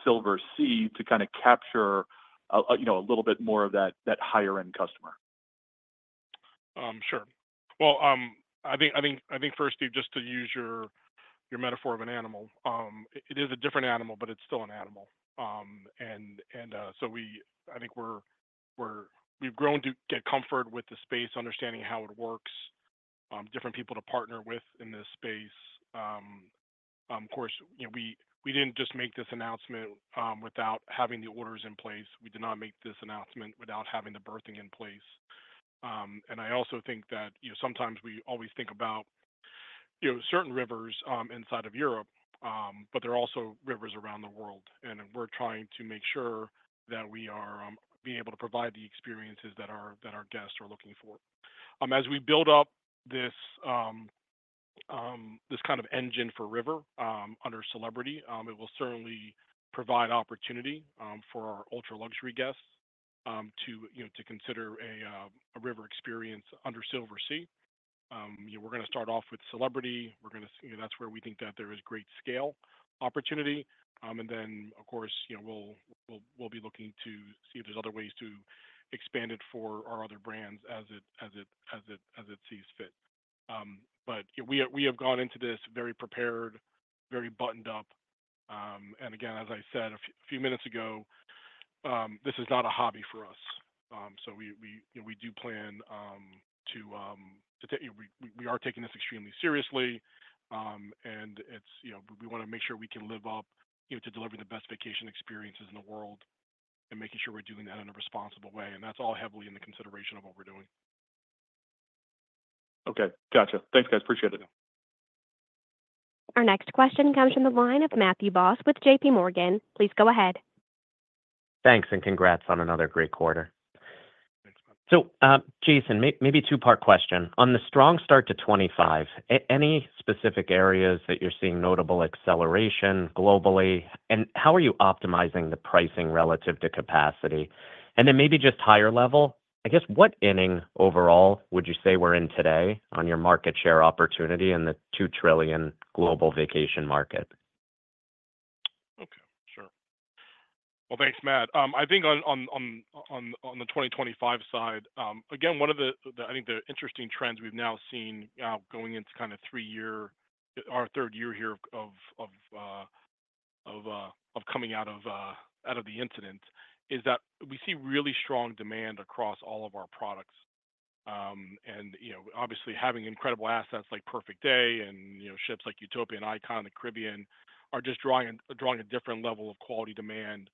Silversea to kind of capture a little bit more of that higher-end customer? Sure. Well, I think first, Steve, just to use your metaphor of an animal, it is a different animal, but it's still an animal. And so I think we've grown to get comfort with the space, understanding how it works, different people to partner with in this space. Of course, we didn't just make this announcement without having the orders in place. We did not make this announcement without having the berthing in place, and I also think that sometimes we always think about certain rivers inside of Europe, but there are also rivers around the world, and we're trying to make sure that we are being able to provide the experiences that our guests are looking for. As we build up this kind of engine for river under Celebrity, it will certainly provide opportunity for our ultra-luxury guests to consider a river experience under Silversea. We're going to start off with Celebrity. That's where we think that there is great scale opportunity, and then, of course, we'll be looking to see if there's other ways to expand it for our other brands as it sees fit, but we have gone into this very prepared, very buttoned up. Again, as I said a few minutes ago, this is not a hobby for us. We are taking this extremely seriously. We want to make sure we can live up to delivering the best vacation experiences in the world and making sure we're doing that in a responsible way. That's all heavily in the consideration of what we're doing. Okay. Gotcha. Thanks, guys. Appreciate it. Our next question comes from the line of Matthew Boss with JPMorgan. Please go ahead. Thanks. Congrats on another great quarter. Thanks, Matt. Jason, maybe a two-part question. On the strong start to 2025, any specific areas that you're seeing notable acceleration globally? How are you optimizing the pricing relative to capacity? And then maybe just higher level, I guess, what inning overall would you say we're in today on your market share opportunity in the $2 trillion global vacation market? Okay. Sure. Well, thanks, Matt. I think on the 2025 side, again, one of the, I think, the interesting trends we've now seen going into kind of three-year, our third year here of coming out of the incident is that we see really strong demand across all of our products. And obviously, having incredible assets like Perfect Day and ships like Utopia and Icon and Caribbean are just drawing a different level of quality demand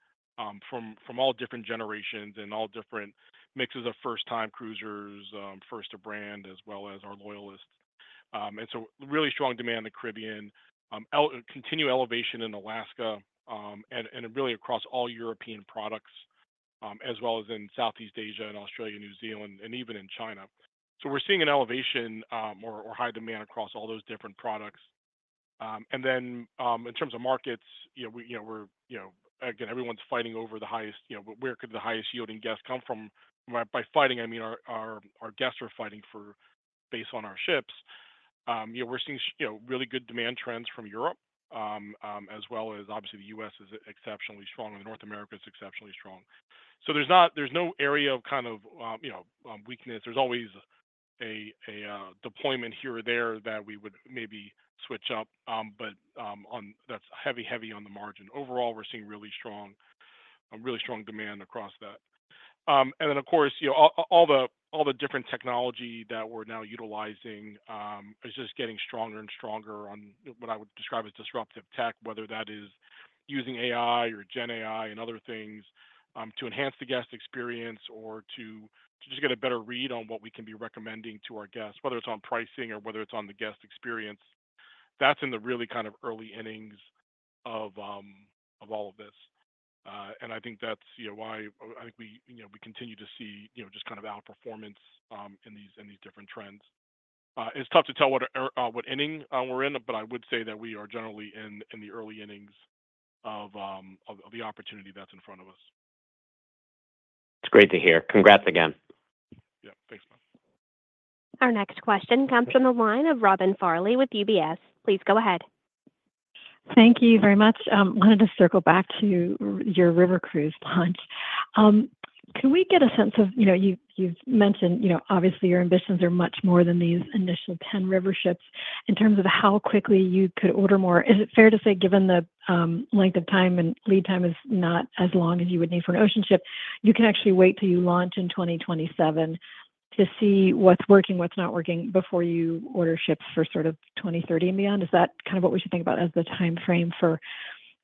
from all different generations and all different mixes of first-time cruisers, first-to-brand, as well as our loyalists. And so really strong demand in the Caribbean, continued elevation in Alaska, and really across all European products, as well as in Southeast Asia and Australia and New Zealand, and even in China. So we're seeing an elevation or high demand across all those different products. And then in terms of markets, we're, again, everyone's fighting over the highest, where could the highest yielding guests come from? By fighting, I mean our guests are fighting for. Based on our ships. We're seeing really good demand trends from Europe, as well as obviously the U.S. is exceptionally strong. North America is exceptionally strong. So there's no area of kind of weakness. There's always a deployment here or there that we would maybe switch up, but that's heavy, heavy on the margin. Overall, we're seeing really strong demand across that. And then, of course, all the different technology that we're now utilizing is just getting stronger and stronger on what I would describe as disruptive tech, whether that is using AI or GenAI and other things to enhance the guest experience or to just get a better read on what we can be recommending to our guests, whether it's on pricing or whether it's on the guest experience. That's in the really kind of early innings of all of this. And I think that's why I think we continue to see just kind of outperformance in these different trends. It's tough to tell what inning we're in, but I would say that we are generally in the early innings of the opportunity that's in front of us. It's great to hear. Congrats again. Yeah. Thanks, Matt. Our next question comes from the line of Robin Farley with UBS. Please go ahead. Thank you very much. I wanted to circle back to your river cruise launch. Can we get a sense of you've mentioned, obviously, your ambitions are much more than these initial 10 river ships in terms of how quickly you could order more. Is it fair to say, given the length of time and lead time is not as long as you would need for an ocean ship, you can actually wait till you launch in 2027 to see what's working, what's not working before you order ships for sort of 2030 and beyond? Is that kind of what we should think about as the timeframe for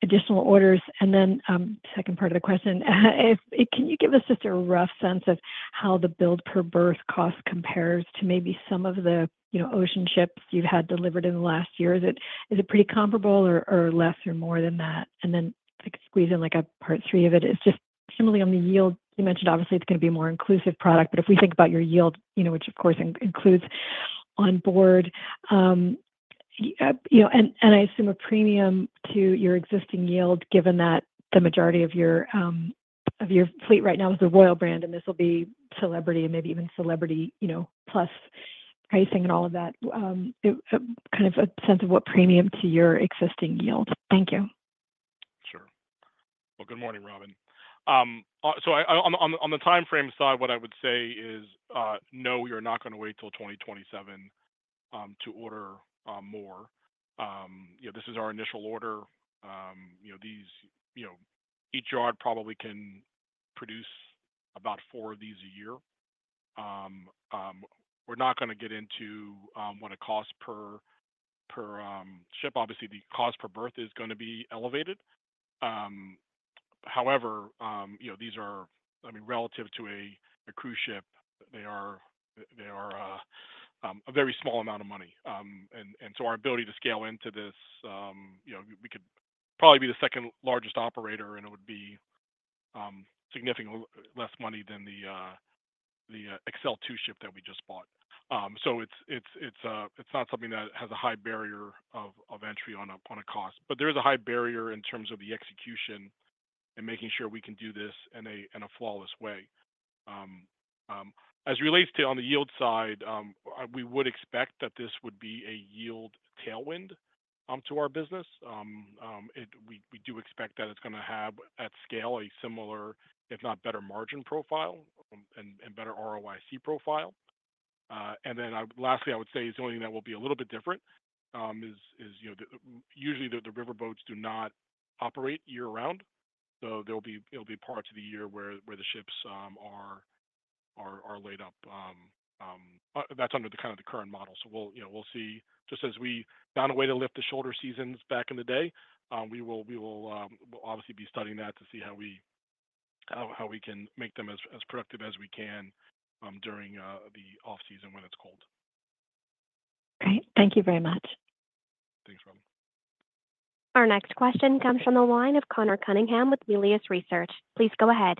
additional orders? And then second part of the question, can you give us just a rough sense of how the build-per-berth cost compares to maybe some of the ocean ships you've had delivered in the last year? Is it pretty comparable or less or more than that? And then squeeze in a part three of it. It's just similarly on the yield. You mentioned, obviously, it's going to be a more inclusive product. But if we think about your yield, which of course includes on board, and I assume a premium to your existing yield, given that the majority of your fleet right now is the Royal brand, and this will be Celebrity and maybe even Celebrity plus pricing and all of that, kind of a sense of what premium to your existing yield. Thank you. Sure. Well, good morning, Robin. So on the timeframe side, what I would say is, no, we are not going to wait till 2027 to order more. This is our initial order. Each yard probably can produce about four of these a year. We're not going to get into what a cost per ship. Obviously, the cost per berth is going to be elevated. However, these are, I mean, relative to a cruise ship, they are a very small amount of money. And so our ability to scale into this, we could probably be the second largest operator, and it would be significantly less money than the Xcel ship that we just bought. So it's not something that has a high barrier of entry on a cost. But there is a high barrier in terms of the execution and making sure we can do this in a flawless way. As it relates to on the yield side, we would expect that this would be a yield tailwind to our business. We do expect that it's going to have, at scale, a similar, if not better margin profile and better ROIC profile. And then lastly, I would say the only thing that will be a little bit different is usually the river boats do not operate year-round. So there'll be parts of the year where the ships are laid up. That's under kind of the current model. So we'll see just as we found a way to lift the shoulder seasons back in the day, we will obviously be studying that to see how we can make them as productive as we can during the off-season when it's cold. All right. Thank you very much. Thanks, Robin. Our next question comes from the line of Conor Cunningham with Melius Research. Please go ahead.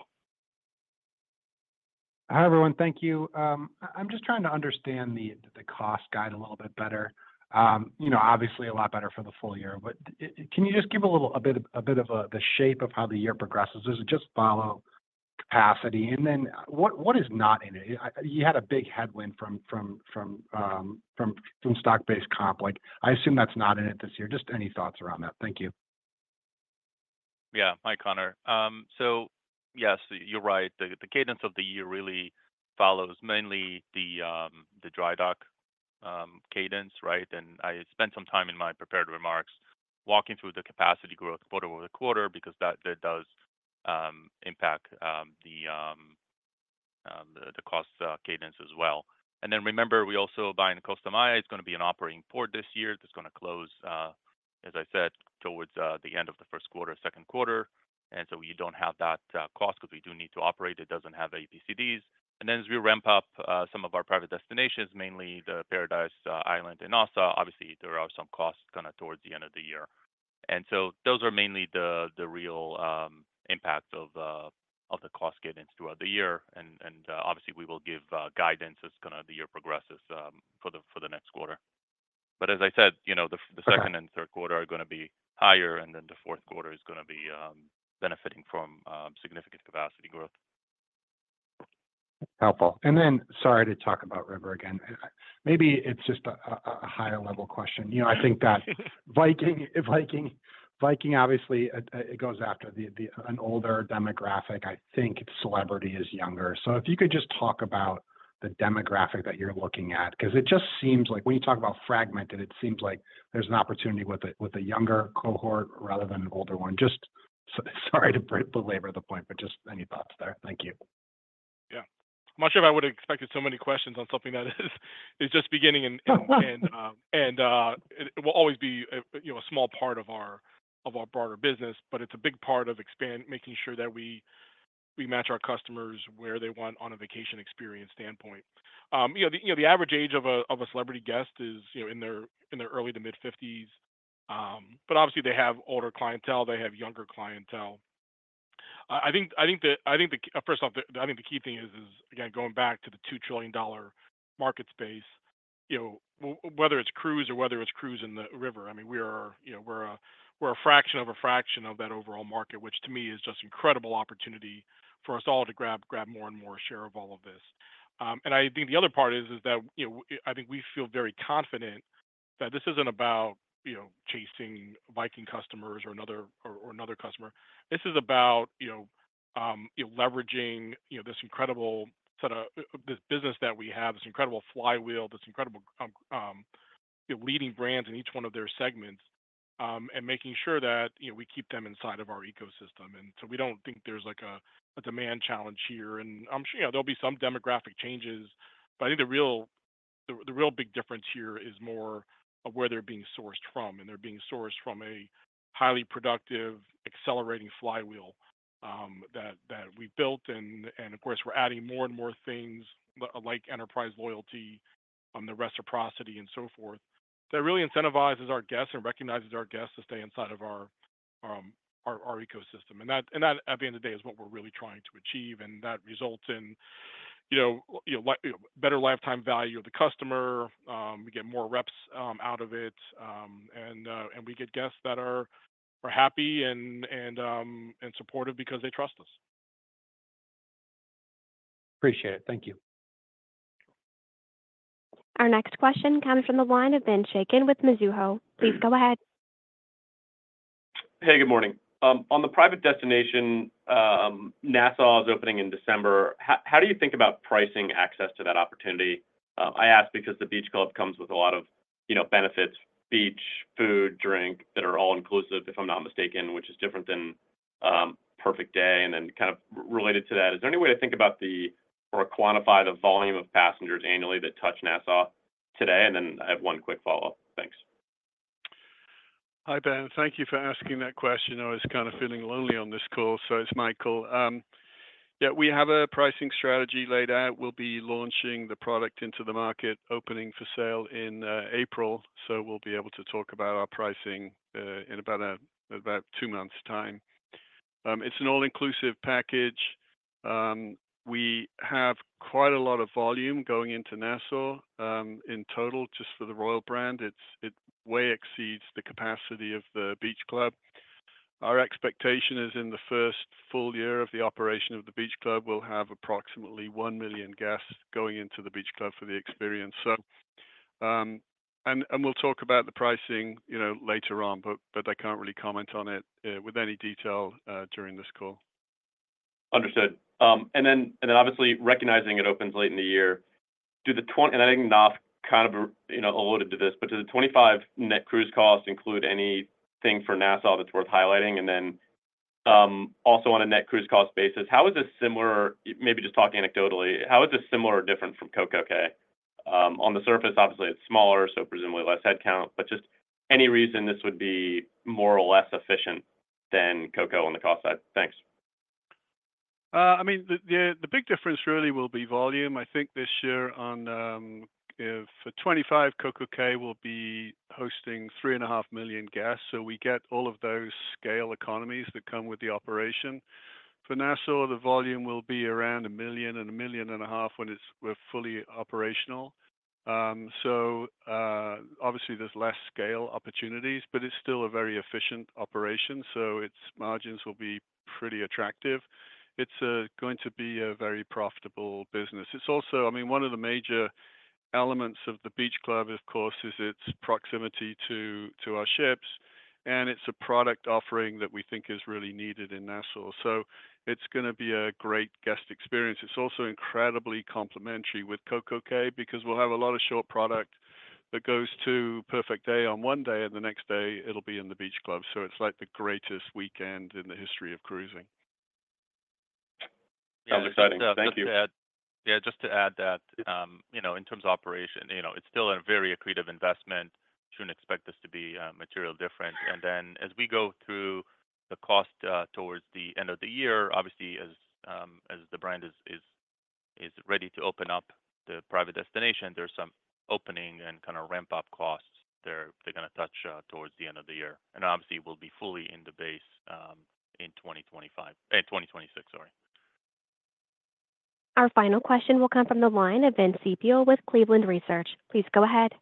Hi, everyone. Thank you. I'm just trying to understand the cost guide a little bit better. Obviously, a lot better for the full year. But can you just give a bit of the shape of how the year progresses? Does it just follow capacity? And then what is not in it? You had a big headwind from stock-based comp. I assume that's not in it this year. Just any thoughts around that? Thank you. Yeah. Hi, Connor. So yes, you're right. The cadence of the year really follows mainly the dry dock cadence, right? And I spent some time in my prepared remarks walking through the capacity growth quarter over quarter because that does impact the cost cadence as well. And then remember, we also berth in Costa Maya. It's going to be an operating port this year. It's going to close, as I said, towards the end of the first quarter, second quarter. And so we don't have that cost because we do need to operate. It doesn't have APCDs. And then as we ramp up some of our private destinations, mainly the Paradise Island and Nassau, obviously, there are some costs kind of towards the end of the year. And so those are mainly the real impact of the cost cadence throughout the year. And obviously, we will give guidance as kind of the year progresses for the next quarter. But as I said, the second and third quarter are going to be higher, and then the fourth quarter is going to be benefiting from significant capacity growth. Helpful. And then sorry to talk about river again. Maybe it's just a higher-level question. I think that Viking, obviously, it goes after an older demographic. I think Celebrity is younger. So if you could just talk about the demographic that you're looking at, because it just seems like when you talk about fragmented, it seems like there's an opportunity with a younger cohort rather than an older one. Just sorry to belabor the point, but just any thoughts there? Thank you. Yeah. Much of it, I would have expected so many questions on something that is just beginning, and it will always be a small part of our broader business, but it's a big part of making sure that we match our customers where they want on a vacation experience standpoint. The average age of a Celebrity guest is in their early to mid-50s. But obviously, they have older clientele. They have younger clientele. I think first off, the key thing is, again, going back to the $2 trillion market space, whether it's cruise or whether it's cruise in the river, I mean, we're a fraction of a fraction of that overall market, which to me is just incredible opportunity for us all to grab more and more share of all of this. And I think the other part is that I think we feel very confident that this isn't about chasing Viking customers or another customer. This is about leveraging this incredible set of this business that we have, this incredible flywheel, this incredible leading brands in each one of their segments, and making sure that we keep them inside of our ecosystem. And so we don't think there's a demand challenge here. And there'll be some demographic changes, but I think the real big difference here is more of where they're being sourced from. And they're being sourced from a highly productive, accelerating flywheel that we built. And of course, we're adding more and more things like enterprise loyalty and the reciprocity and so forth that really incentivizes our guests and recognizes our guests to stay inside of our ecosystem. And that, at the end of the day, is what we're really trying to achieve. And that results in better lifetime value of the customer. We get more reps out of it, and we get guests that are happy and supportive because they trust us. Appreciate it. Thank you. Our next question comes from the line of Ben Chaiken with Mizuho. Please go ahead. Hey, good morning. On the private destination, Nassau is opening in December. How do you think about pricing access to that opportunity? I ask because the beach club comes with a lot of benefits: beach, food, drink that are all-inclusive, if I'm not mistaken, which is different than Perfect Day. And then kind of related to that, is there any way to think about or quantify the volume of passengers annually that touch Nassau today? And then I have one quick follow-up. Thanks. Hi, Ben. Thank you for asking that question. I was kind of feeling lonely on this call, so it's Michael. Yeah, we have a pricing strategy laid out. We'll be launching the product into the market, opening for sale in April. So we'll be able to talk about our pricing in about two months' time. It's an all-inclusive package. We have quite a lot of volume going into Nassau in total just for the Royal brand. It far exceeds the capacity of the beach club. Our expectation is in the first full year of the operation of the beach club, we'll have approximately one million guests going into the beach club for the experience. And we'll talk about the pricing later on, but I can't really comment on it with any detail during this call. Understood. And then obviously, recognizing it opens late in the year—and I think Nassau kind of alluded to this—but does the 2025 net cruise cost include anything for Nassau that's worth highlighting? And then also on a net cruise cost basis, how is this similar? Maybe just talking anecdotally, how is this similar or different from CocoCay? On the surface, obviously, it's smaller, so presumably less headcount. But just any reason this would be more or less efficient than Coco on the cost side? Thanks. I mean, the big difference really will be volume. I think this year and for '25, CocoCay will be hosting 3.5 million guests. So we get all of those scale economies that come with the operation. For Nassau, the volume will be around 1 million and 1.5 million when it's fully operational. So obviously, there's less scale opportunities, but it's still a very efficient operation. So its margins will be pretty attractive. It's going to be a very profitable business. It's also, I mean, one of the major elements of the beach club, of course, is its proximity to our ships. And it's a product offering that we think is really needed in Nassau. So it's going to be a great guest experience. It's also incredibly complementary with CocoCay because we'll have a lot of short product that goes to Perfect Day on one day, and the next day, it'll be in the beach club. So it's like the greatest weekend in the history of cruising. Sounds exciting. Thank you. Yeah, just to add that in terms of operation, it's still a very accretive investment. You shouldn't expect this to be material different. And then as we go through the cost towards the end of the year, obviously, as the brand is ready to open up the private destination, there's some opening and kind of ramp-up costs they're going to touch towards the end of the year. And obviously, we'll be fully in the base in 2025 and 2026, sorry. Our final question will come from the line of Vince Ciepiel with Cleveland Research. Please go ahead.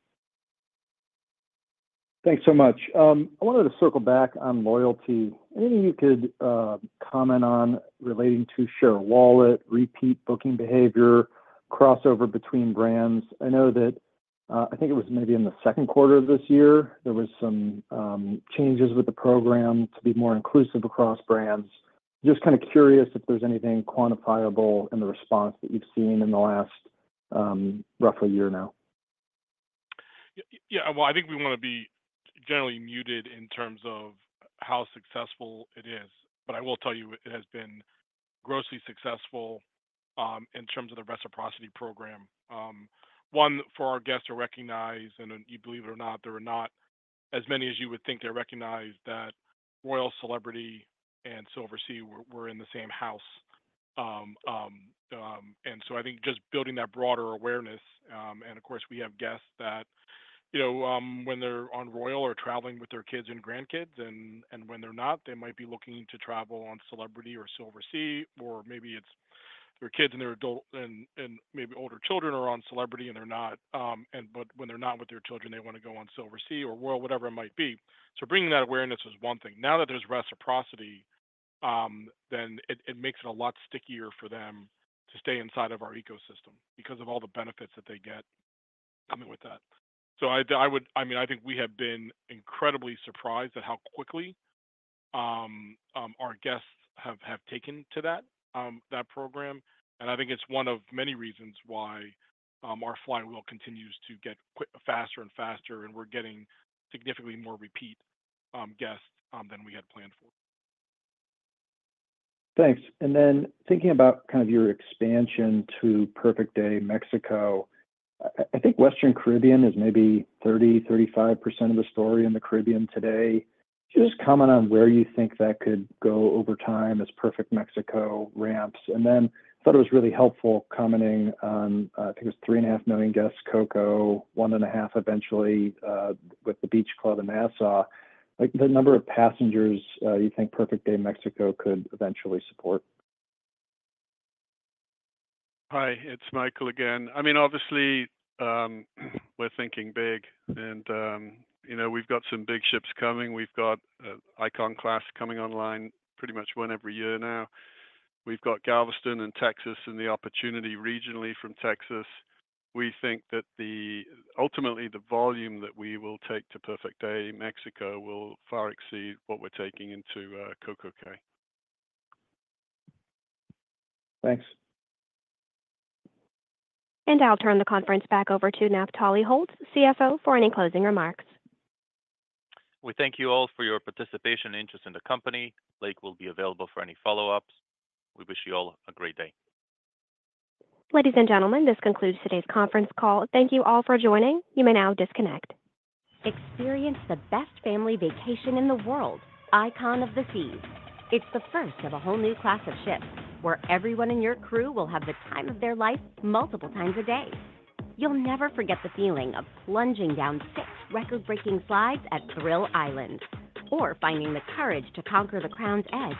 Thanks so much. I wanted to circle back on loyalty. Anything you could comment on relating to share of wallet, repeat booking behavior, crossover between brands? I think it was maybe in the second quarter of this year. There were some changes with the program to be more inclusive across brands. Just kind of curious if there's anything quantifiable in the response that you've seen in the last roughly a year now? Yeah. Well, I think we want to be generally muted in terms of how successful it is. But I will tell you, it has been grossly successful in terms of the reciprocity program. One, for our guests to recognize, and you believe it or not, there are not as many as you would think they recognize that Royal, Celebrity, and Silversea were in the same house, and so I think just building that broader awareness. Of course, we have guests that when they're on Royal or traveling with their kids and grandkids, and when they're not, they might be looking to travel on Celebrity or Silversea, or maybe it's their kids and their adult and maybe older children are on Celebrity and they're not. When they're not with their children, they want to go on Silversea or Royal, whatever it might be. Bringing that awareness is one thing. Now that there's reciprocity, then it makes it a lot stickier for them to stay inside of our ecosystem because of all the benefits that they get coming with that. I mean, I think we have been incredibly surprised at how quickly our guests have taken to that program. And I think it's one of many reasons why our flywheel continues to get faster and faster, and we're getting significantly more repeat guests than we had planned for. Thanks. And then thinking about kind of your expansion to Perfect Day Mexico, I think Western Caribbean is maybe 30%-35% of the story in the Caribbean today. Just comment on where you think that could go over time as Perfect Mexico ramps. And then I thought it was really helpful commenting on, I think it was 3.5 million guests, Coco, 1.5 eventually with the beach club in Nassau. The number of passengers you think Perfect Day Mexico could eventually support? Hi, it's Michael again. I mean, obviously, we're thinking big. And we've got some big ships coming. We've got Icon Class coming online pretty much one every year now. We've got Galveston and Texas and the opportunity regionally from Texas. We think that ultimately, the volume that we will take to Perfect Day Mexico will far exceed what we're taking into CocoCay. Thanks, and I'll turn the conference back over to Naftali Holtz, CFO, for any closing remarks. We thank you all for your participation and interest in the company. Mike will be available for any follow-ups. We wish you all a great day. Ladies and gentlemen, this concludes today's conference call. Thank you all for joining. You may now disconnect. Experience the best family vacation in the world, Icon of the Seas. It's the first of a whole new class of ships where everyone in your crew will have the time of their life multiple times a day. You'll never forget the feeling of plunging down six record-breaking slides at Thrill Island or finding the courage to conquer the Crown's Edge,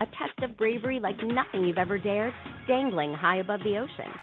a test of bravery like nothing you've ever dared, dangling high above the ocean.